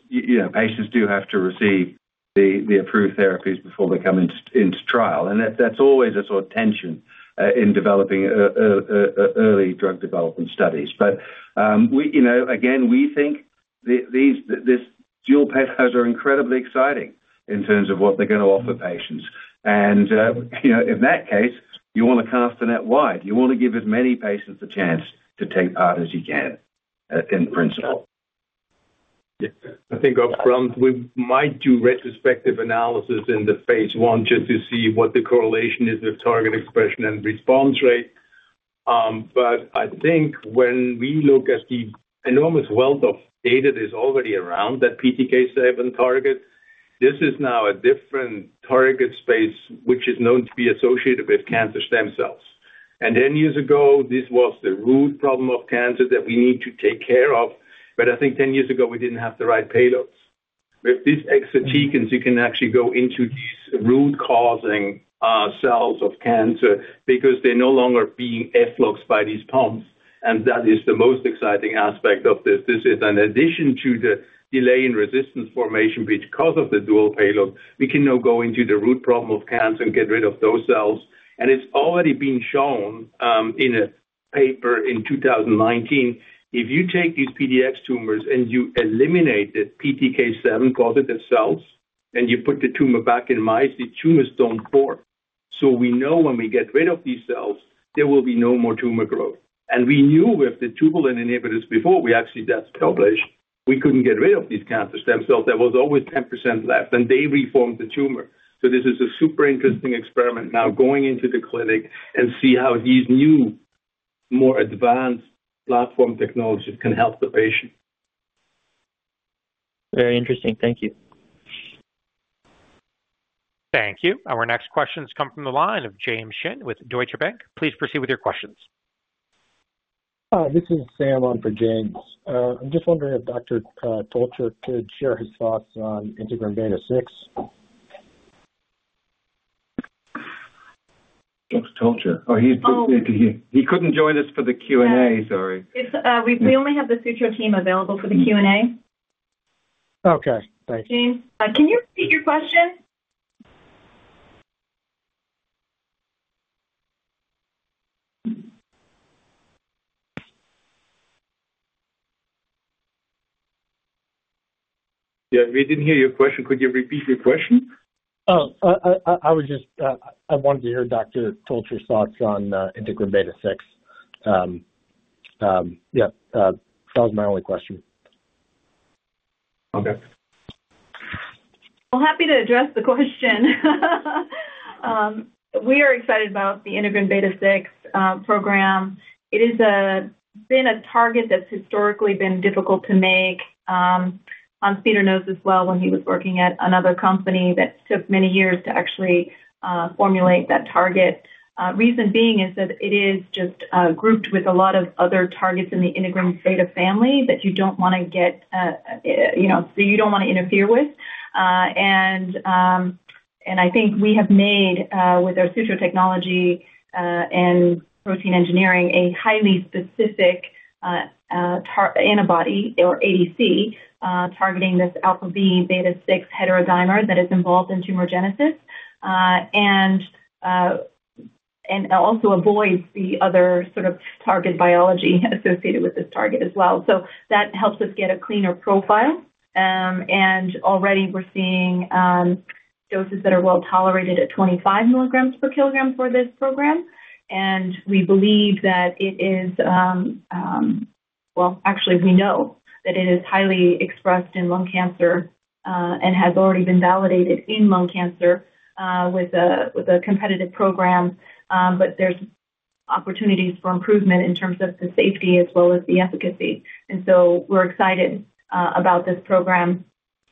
patients do have to receive the approved therapies before they come into trial. That's always a sort of tension in developing early drug development studies. You know, again, we think these dual payloads are incredibly exciting in terms of what they're going to offer patients. You know, in that case, you want to cast a net wide. You want to give as many patients a chance to take part as you can in principle. Yeah, I think upfront, we might do retrospective analysis in the phase one just to see what the correlation is with target expression and response rate. I think when we look at the enormous wealth of data that is already around that PTK7 target, this is now a different target space, which is known to be associated with cancer stem cells. Ten years ago, this was the root problem of cancer that we need to take care of. I think 10 years ago, we didn't have the right payloads. With these exatecans, you can actually go into these root-causing cells of cancer because they're no longer being effluxed by these pumps. That is the most exciting aspect of this. This is in addition to the delay in resistance formation because of the dual payload. We can now go into the root problem of cancer and get rid of those cells. It's already been shown in a paper in 2019. If you take these PDX tumors and you eliminate the PTK7 positive cells and you put the tumor back in mice, the tumors don't form. We know when we get rid of these cells, there will be no more tumor growth. We knew with the tubulin inhibitors before, we actually just published, we couldn't get rid of these cancer stem cells. There was always 10% left, and they reformed the tumor. This is a super interesting experiment now going into the clinic and see how these new, more advanced platform technologies can help the patient. Very interesting. Thank you. Thank you. Our next questions come from the line of James Shin with Deutsche Bank. Please proceed with your questions. This is Sam on for James. I'm just wondering if Dr. Tolcher could share his thoughts on Integrin beta-6. Dr. Tolcher, oh, he's too busy to hear. He couldn't join us for the Q&A, sorry. We only have the Sutro team available for the Q&A. Okay, thanks. James, can you repeat your question? Yeah, we didn't hear your question. Could you repeat your question? Oh, I was just, I wanted to hear Dr. Tolcher's thoughts on Integrin beta-6. Yeah, that was my only question. Okay. Happy to address the question. We are excited about the Integrin beta-6 program. It has been a target that's historically been difficult to make. Hans-Peter knows this well when he was working at another company that took many years to actually formulate that target. The reason being is that it is just grouped with a lot of other targets in the Integrin beta family that you don't want to get, you know, that you don't want to interfere with. I think we have made, with our Sutro technology and protein engineering, a highly specific antibody or ADC targeting this alpha B beta-6 heterodimer that is involved in tumor genesis and also avoids the other sort of target biology associated with this target as well. That helps us get a cleaner profile. Already we're seeing doses that are well tolerated at 25 milligrams per kilogram for this program. We believe that it is, well, actually we know that it is highly expressed in lung cancer and has already been validated in lung cancer with a competitive program, but there's opportunities for improvement in terms of the safety as well as the efficacy. We're excited about this program.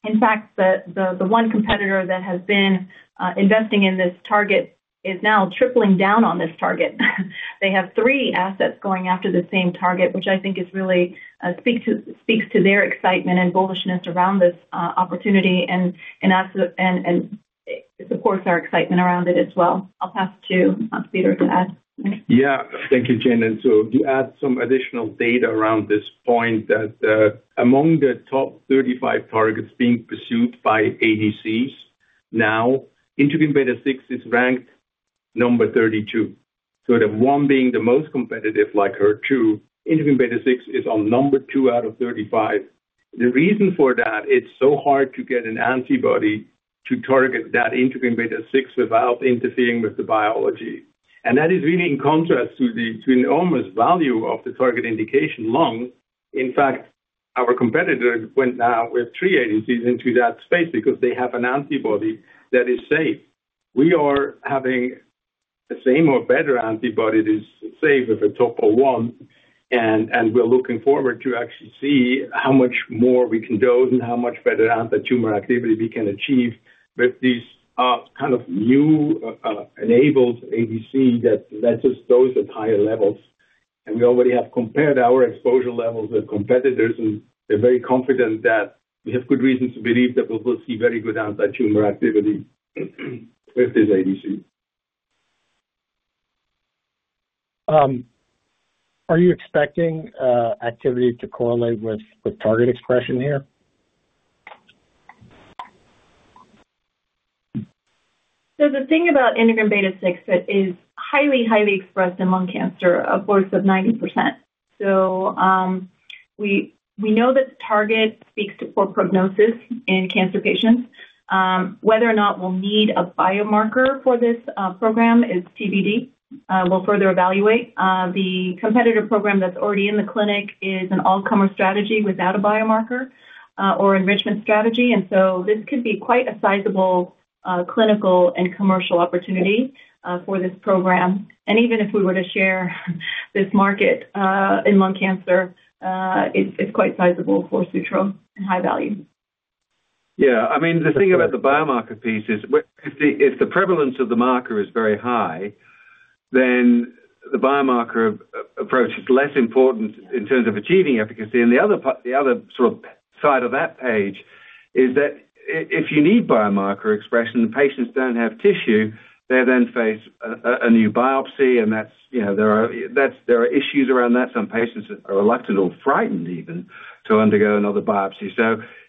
In fact, the one competitor that has been investing in this target is now tripling down on this target. They have three assets going after the same target, which I think really speaks to their excitement and bullishness around this opportunity and supports our excitement around it as well. I'll pass it to Hans-Peter to add. Yeah, thank you, Jane. You add some additional data around this point that among the top 35 targets being pursued by ADCs now, integrin beta-6 is ranked number 32. The one being the most competitive, like HER2, integrin beta-6 is on number two out of 35. The reason for that, it's so hard to get an antibody to target that integrin beta-6 without interfering with the biology. That is really in contrast to the enormous value of the target indication lung. In fact, our competitor went now with three ADCs into that space because they have an antibody that is safe. We are having the same or better antibody that is safe with a Topo 1. We're looking forward to actually see how much more we can dose and how much better anti-tumor activity we can achieve with these kind of new enabled ADC that let us dose at higher levels. We already have compared our exposure levels with competitors, and they're very confident that we have good reason to believe that we will see very good anti-tumor activity with this ADC. Are you expecting activity to correlate with target expression here? The thing about Integrin beta-6 is that it is highly, highly expressed in lung cancer, a force of 90%. We know that the target speaks to poor prognosis in cancer patients. Whether or not we'll need a biomarker for this program is TBD. We'll further evaluate. The competitor program that's already in the clinic is an all-comer strategy without a biomarker or enrichment strategy. This could be quite a sizable clinical and commercial opportunity for this program. Even if we were to share this market in lung cancer, it is quite sizable for Sutro and high value. Yeah, I mean, the thing about the biomarker piece is if the prevalence of the marker is very high, then the biomarker approach is less important in terms of achieving efficacy. The other sort of side of that page is that if you need biomarker expression, patients do not have tissue, they then face a new biopsy. That is, you know, there are issues around that. Some patients are reluctant or frightened even to undergo another biopsy.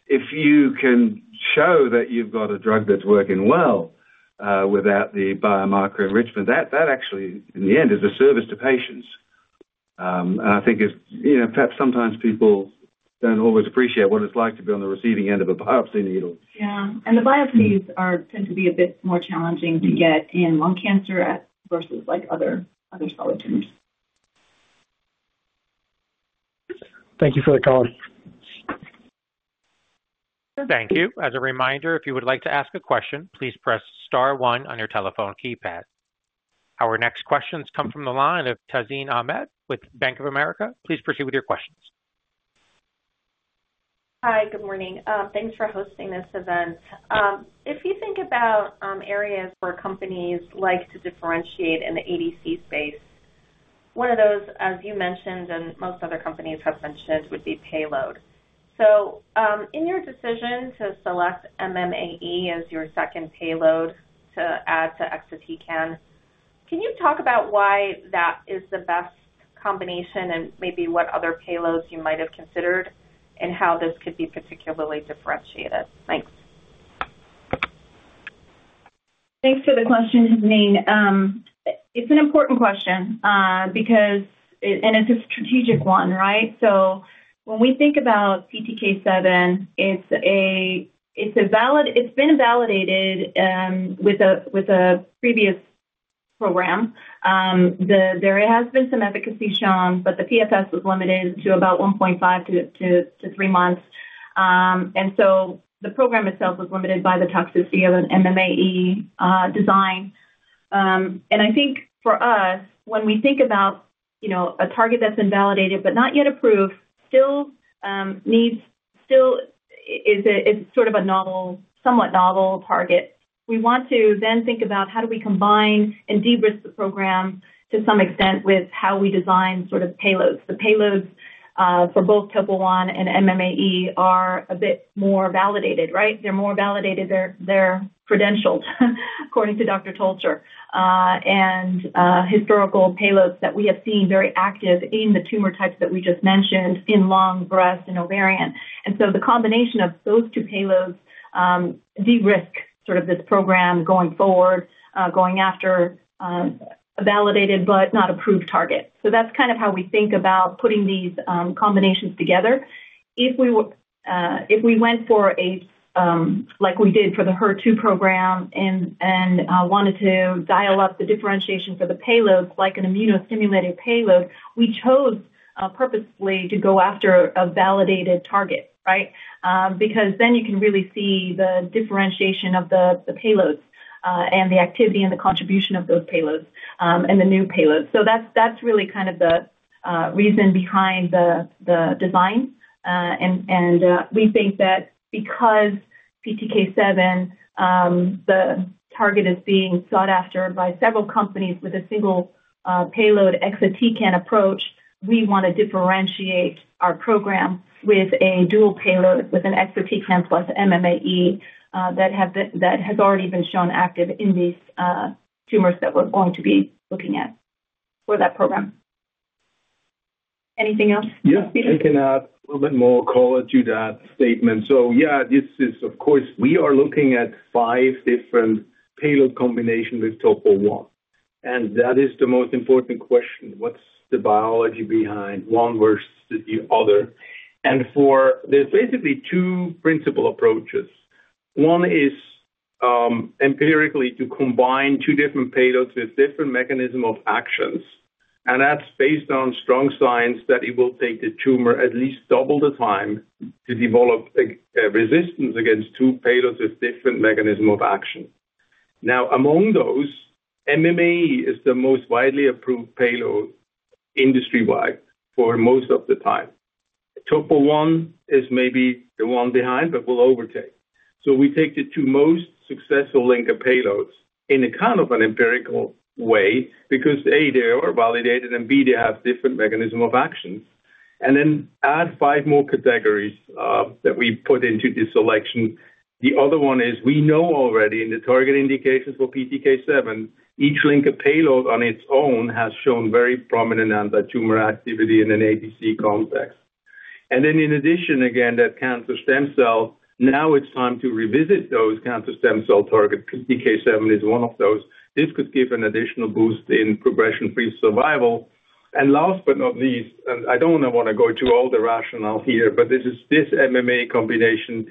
If you can show that you have got a drug that is working well without the biomarker enrichment, that actually, in the end, is a service to patients. I think, you know, perhaps sometimes people do not always appreciate what it is like to be on the receiving end of a biopsy needle. Yeah, and the biopsies are said to be a bit more challenging to get in lung cancer versus other solid tumors. Thank you for the call. Thank you. As a reminder, if you would like to ask a question, please press star one on your telephone keypad. Our next questions come from the line of Tazeen Ahmad with Bank of America. Please proceed with your questions. Hi, good morning. Thanks for hosting this event. If you think about areas where companies like to differentiate in the ADC space, one of those, as you mentioned and most other companies have mentioned, would be payload. In your decision to select MMAE as your second payload to add to exatecan, can you talk about why that is the best combination and maybe what other payloads you might have considered and how this could be particularly differentiated? Thanks. Thanks for the question, Taseen. It's an important question because, and it's a strategic one, right? When we think about PTK7, it's a valid, it's been validated with a previous program. There has been some efficacy shown, but the PFS was limited to about 1.5-3 months. The program itself was limited by the toxicity of an MMAE design. I think for us, when we think about, you know, a target that's been validated but not yet approved, still needs, still is sort of a novel, somewhat novel target. We want to then think about how do we combine and de-risk the program to some extent with how we design sort of payloads. The payloads for both Topo 1 and MMAE are a bit more validated, right? They're more validated. They're credentialed, according to Dr. Tolcher, and historical payloads that we have seen very active in the tumor types that we just mentioned in lung, breast, and ovarian. The combination of those two payloads de-risk sort of this program going forward, going after a validated but not approved target. That's kind of how we think about putting these combinations together. If we went for a, like we did for the HER2 program and wanted to dial up the differentiation for the payloads, like an immunostimulated payload, we chose purposefully to go after a validated target, right? Because then you can really see the differentiation of the payloads and the activity and the contribution of those payloads and the new payloads. That is really kind of the reason behind the design. We think that because PTK7, the target, is being sought after by several companies with a single payload exatecan approach, we want to differentiate our program with a dual payload with an exatecan plus MMAE that has already been shown active in these tumors that we are going to be looking at for that program. Anything else? Yeah, I can add a little bit more color to that statement. This is, of course, we are looking at five different payload combinations with Topo 1. That is the most important question. What is the biology behind one versus the other? There are basically two principal approaches. One is empirically to combine two different payloads with different mechanisms of actions. That is based on strong science that it will take the tumor at least double the time to develop a resistance against two payloads with different mechanisms of action. Now, among those, MMAE is the most widely approved payload industry-wide for most of the time. Topo 1 is maybe the one behind, but will overtake. We take the two most successful linker payloads in a kind of an empirical way because, A, they are validated, and B, they have different mechanisms of action. Then add five more categories that we put into this selection. The other one is we know already in the target indications for PTK7, each linker payload on its own has shown very prominent anti-tumor activity in an ADC context. In addition, again, that cancer stem cell, now it's time to revisit those cancer stem cell targets. PTK7 is one of those. This could give an additional boost in progression-free survival. Last but not least, and I don't want to go to all the rationale here, but this is this MMA combination.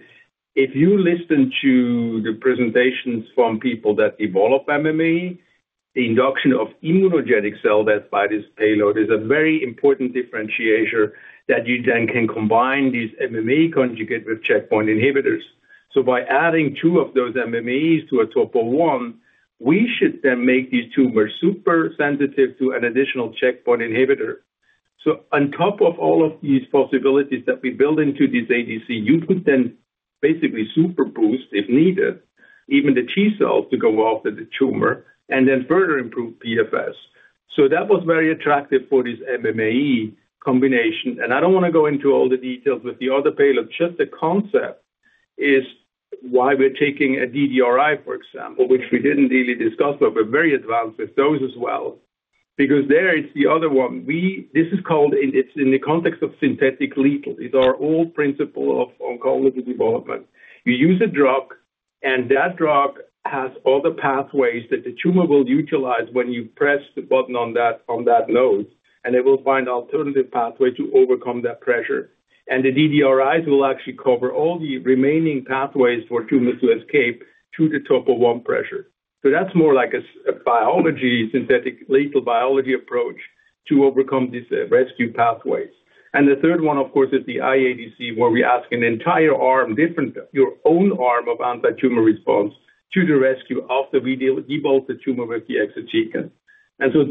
If you listen to the presentations from people that develop MMA, the induction of immunogenic cell death by this payload is a very important differentiator that you then can combine these MMA conjugate with checkpoint inhibitors. By adding two of those MMAs to a Topo 1, we should then make these tumors super sensitive to an additional checkpoint inhibitor. On top of all of these possibilities that we build into this ADC, you could then basically super boost, if needed, even the T cells to go after the tumor and then further improve PFS. That was very attractive for this MMAE combination. I do not want to go into all the details with the other payloads. Just the concept is why we are taking a DDRI, for example, which we did not really discuss, but we are very advanced with those as well. There it is the other one. This is called, it is in the context of synthetic lethal. These are all principles of oncology development. You use a drug, and that drug has all the pathways that the tumor will utilize when you press the button on that node, and it will find an alternative pathway to overcome that pressure. The DDRIs will actually cover all the remaining pathways for tumors to escape to the Topo 1 pressure. That is more like a biology, synthetic lethal biology approach to overcome these rescue pathways. The third one, of course, is the IADC, where we ask an entire arm, different from your own arm of anti-tumor response, to the rescue after we debulk the tumor with the exatecan.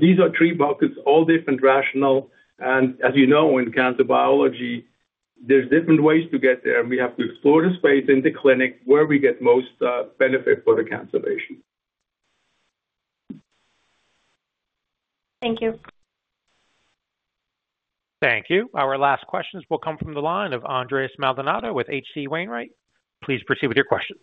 These are three buckets, all different rationale. As you know, in cancer biology, there are different ways to get there. We have to explore the space in the clinic where we get most benefit for the cancer patient. Thank you. Thank you. Our last questions will come from the line of Andres Maldonado with H.C. Wainwright. Please proceed with your questions.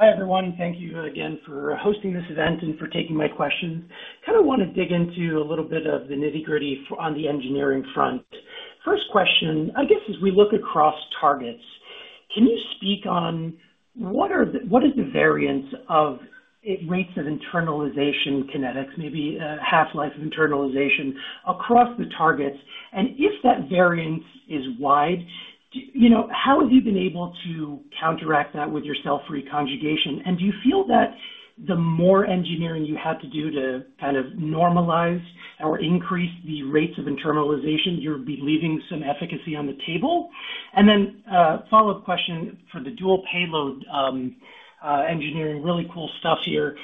Hi everyone. Thank you again for hosting this event and for taking my questions. Kind of want to dig into a little bit of the nitty-gritty on the engineering front. First question, I guess as we look across targets, can you speak on what is the variance of rates of internalization kinetics, maybe half-life of internalization across the targets? If that variance is wide, you know, how have you been able to counteract that with your cell-free conjugation? Do you feel that the more engineering you have to do to kind of normalize or increase the rates of internalization, you'll be leaving some efficacy on the table? Follow-up question for the dual payload engineering, really cool stuff here.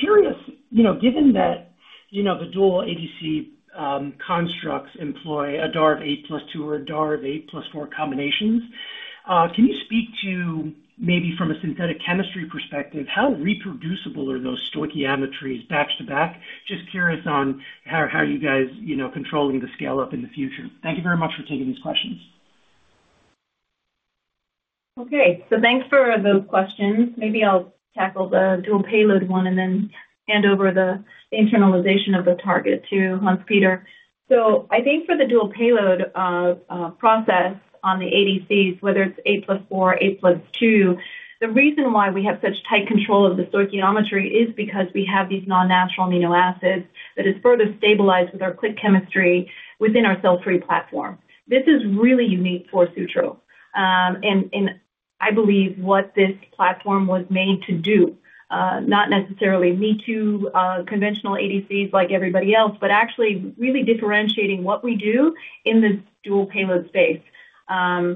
Curious, you know, given that, you know, the dual ADC constructs employ a DAR8 plus 2 or a DAR8 plus 4 combinations, can you speak to maybe from a synthetic chemistry perspective, how reproducible are those stoichiometries back to back? Just curious on how you guys, you know, controlling the scale-up in the future. Thank you very much for taking these questions. Okay, thanks for those questions. Maybe I'll tackle the dual payload one and then hand over the internalization of the target to Hans-Peter. I think for the dual payload process on the ADCs, whether it's 8 plus 4, 8 plus 2, the reason why we have such tight control of the stoichiometry is because we have these non-natural amino acids that are further stabilized with our click chemistry within our cell-free platform. This is really unique for Sutro. I believe what this platform was made to do, not necessarily meet conventional ADCs like everybody else, but actually really differentiating what we do in the dual payload space. I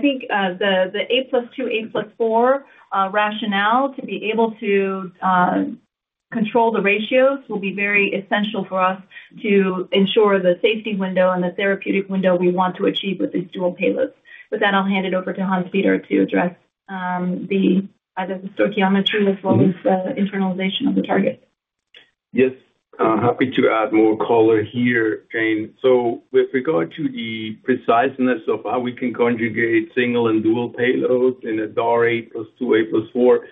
think the 8 plus 2, 8 plus 4 rationale to be able to control the ratios will be very essential for us to ensure the safety window and the therapeutic window we want to achieve with these dual payloads. With that, I'll hand it over to Hans-Peter to address either the stoichiometry as well as the internalization of the target. Yes, happy to add more color here, Jane. With regard to the preciseness of how we can conjugate single and dual payloads in a DAR 8 plus 2, 8 plus 4,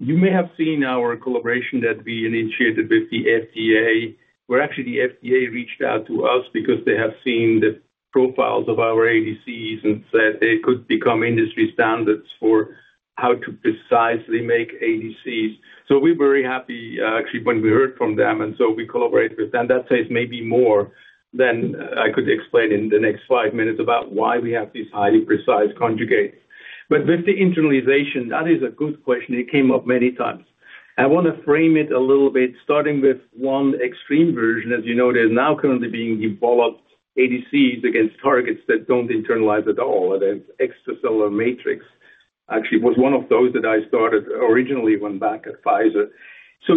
you may have seen our collaboration that we initiated with the FDA, where actually the FDA reached out to us because they have seen the profiles of our ADCs and said they could become industry standards for how to precisely make ADCs. We're very happy actually when we heard from them. We collaborated with them. That says maybe more than I could explain in the next five minutes about why we have these highly precise conjugates. With the internalization, that is a good question. It came up many times. I want to frame it a little bit, starting with one extreme version. As you know, there are now currently being developed ADCs against targets that do not internalize at all. The extracellular matrix actually was one of those that I started originally when back at Pfizer.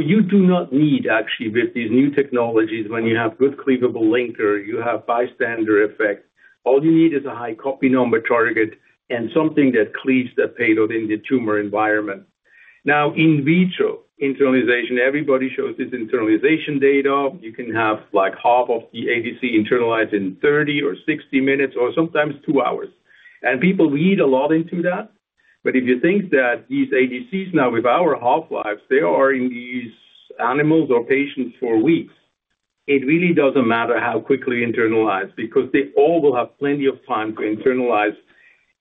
You do not need actually with these new technologies, when you have good cleavable linker, you have bystander effect. All you need is a high copy number target and something that cleaves that payload in the tumor environment. In vitro internalization, everybody shows this internalization data. You can have like half of the ADC internalized in 30 or 60 minutes or sometimes two hours. People read a lot into that. If you think that these ADCs now with our half-lives, they are in these animals or patients for weeks, it really doesn't matter how quickly internalized because they all will have plenty of time to internalize.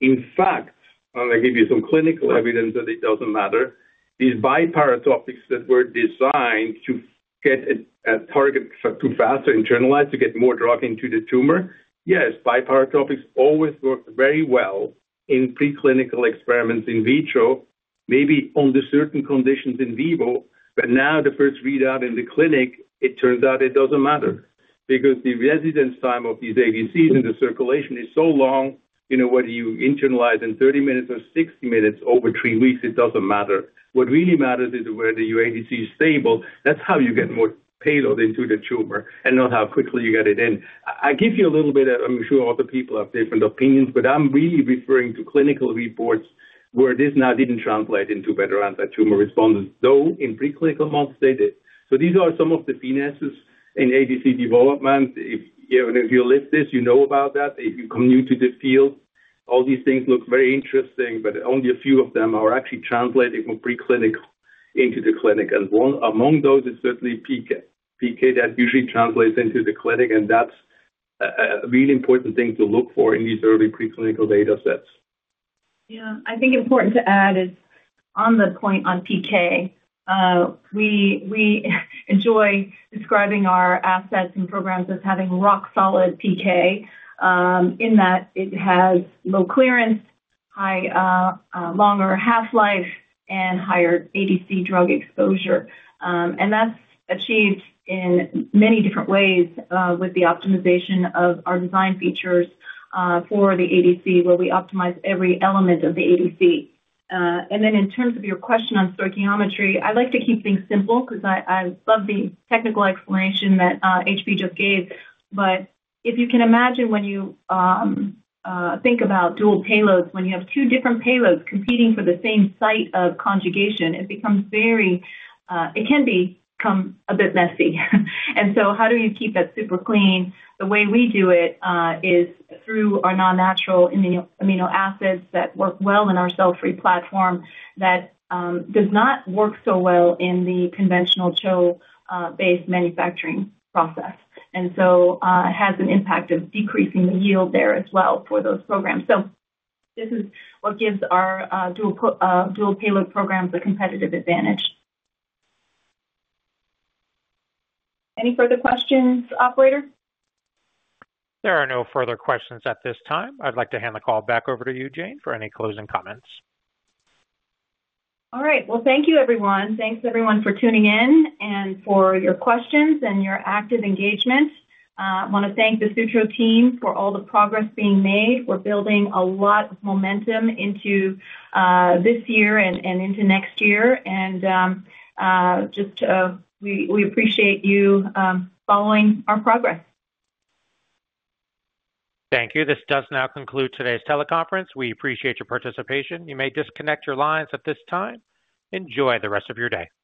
In fact, I'll give you some clinical evidence that it doesn't matter. These biparatropics that were designed to get a target to faster internalize to get more drug into the tumor, yes, biparatropics always work very well in preclinical experiments in vitro, maybe under certain conditions in vivo. Now the first readout in the clinic, it turns out it doesn't matter because the residence time of these ADCs in the circulation is so long. You know, whether you internalize in 30 minutes or 60 minutes, over three weeks, it doesn't matter. What really matters is whether your ADC is stable. That's how you get more payload into the tumor and not how quickly you get it in. I give you a little bit of, I'm sure other people have different opinions, but I'm really referring to clinical reports where this now didn't translate into better anti-tumor responses, though in preclinical months they did. These are some of the finesses in ADC development. If you live this, you know about that. If you come new to the field, all these things look very interesting, but only a few of them are actually translated from preclinical into the clinic. One among those is certainly PK. PK that usually translates into the clinic. That's a really important thing to look for in these early preclinical data sets. Yeah, I think important to add is on the point on PK, we enjoy describing our assets and programs as having rock solid PK in that it has low clearance, high longer half-life, and higher ADC drug exposure. That's achieved in many different ways with the optimization of our design features for the ADC, where we optimize every element of the ADC. In terms of your question on stoichiometry, I'd like to keep things simple because I love the technical explanation that HP just gave. If you can imagine when you think about dual payloads, when you have two different payloads competing for the same site of conjugation, it becomes very, it can become a bit messy. How do you keep that super clean? The way we do it is through our non-natural amino acids that work well in our cell-free platform that does not work so well in the conventional cell-based manufacturing process. It has an impact of decreasing the yield there as well for those programs. This is what gives our dual payload programs a competitive advantage. Any further questions, operator? There are no further questions at this time. I'd like to hand the call back over to you, Jane, for any closing comments. All right. Thank you, everyone. Thanks, everyone, for tuning in and for your questions and your active engagement. I want to thank the Sutro team for all the progress being made. We're building a lot of momentum into this year and into next year. We appreciate you following our progress. Thank you. This does now conclude today's teleconference. We appreciate your participation. You may disconnect your lines at this time. Enjoy the rest of your day.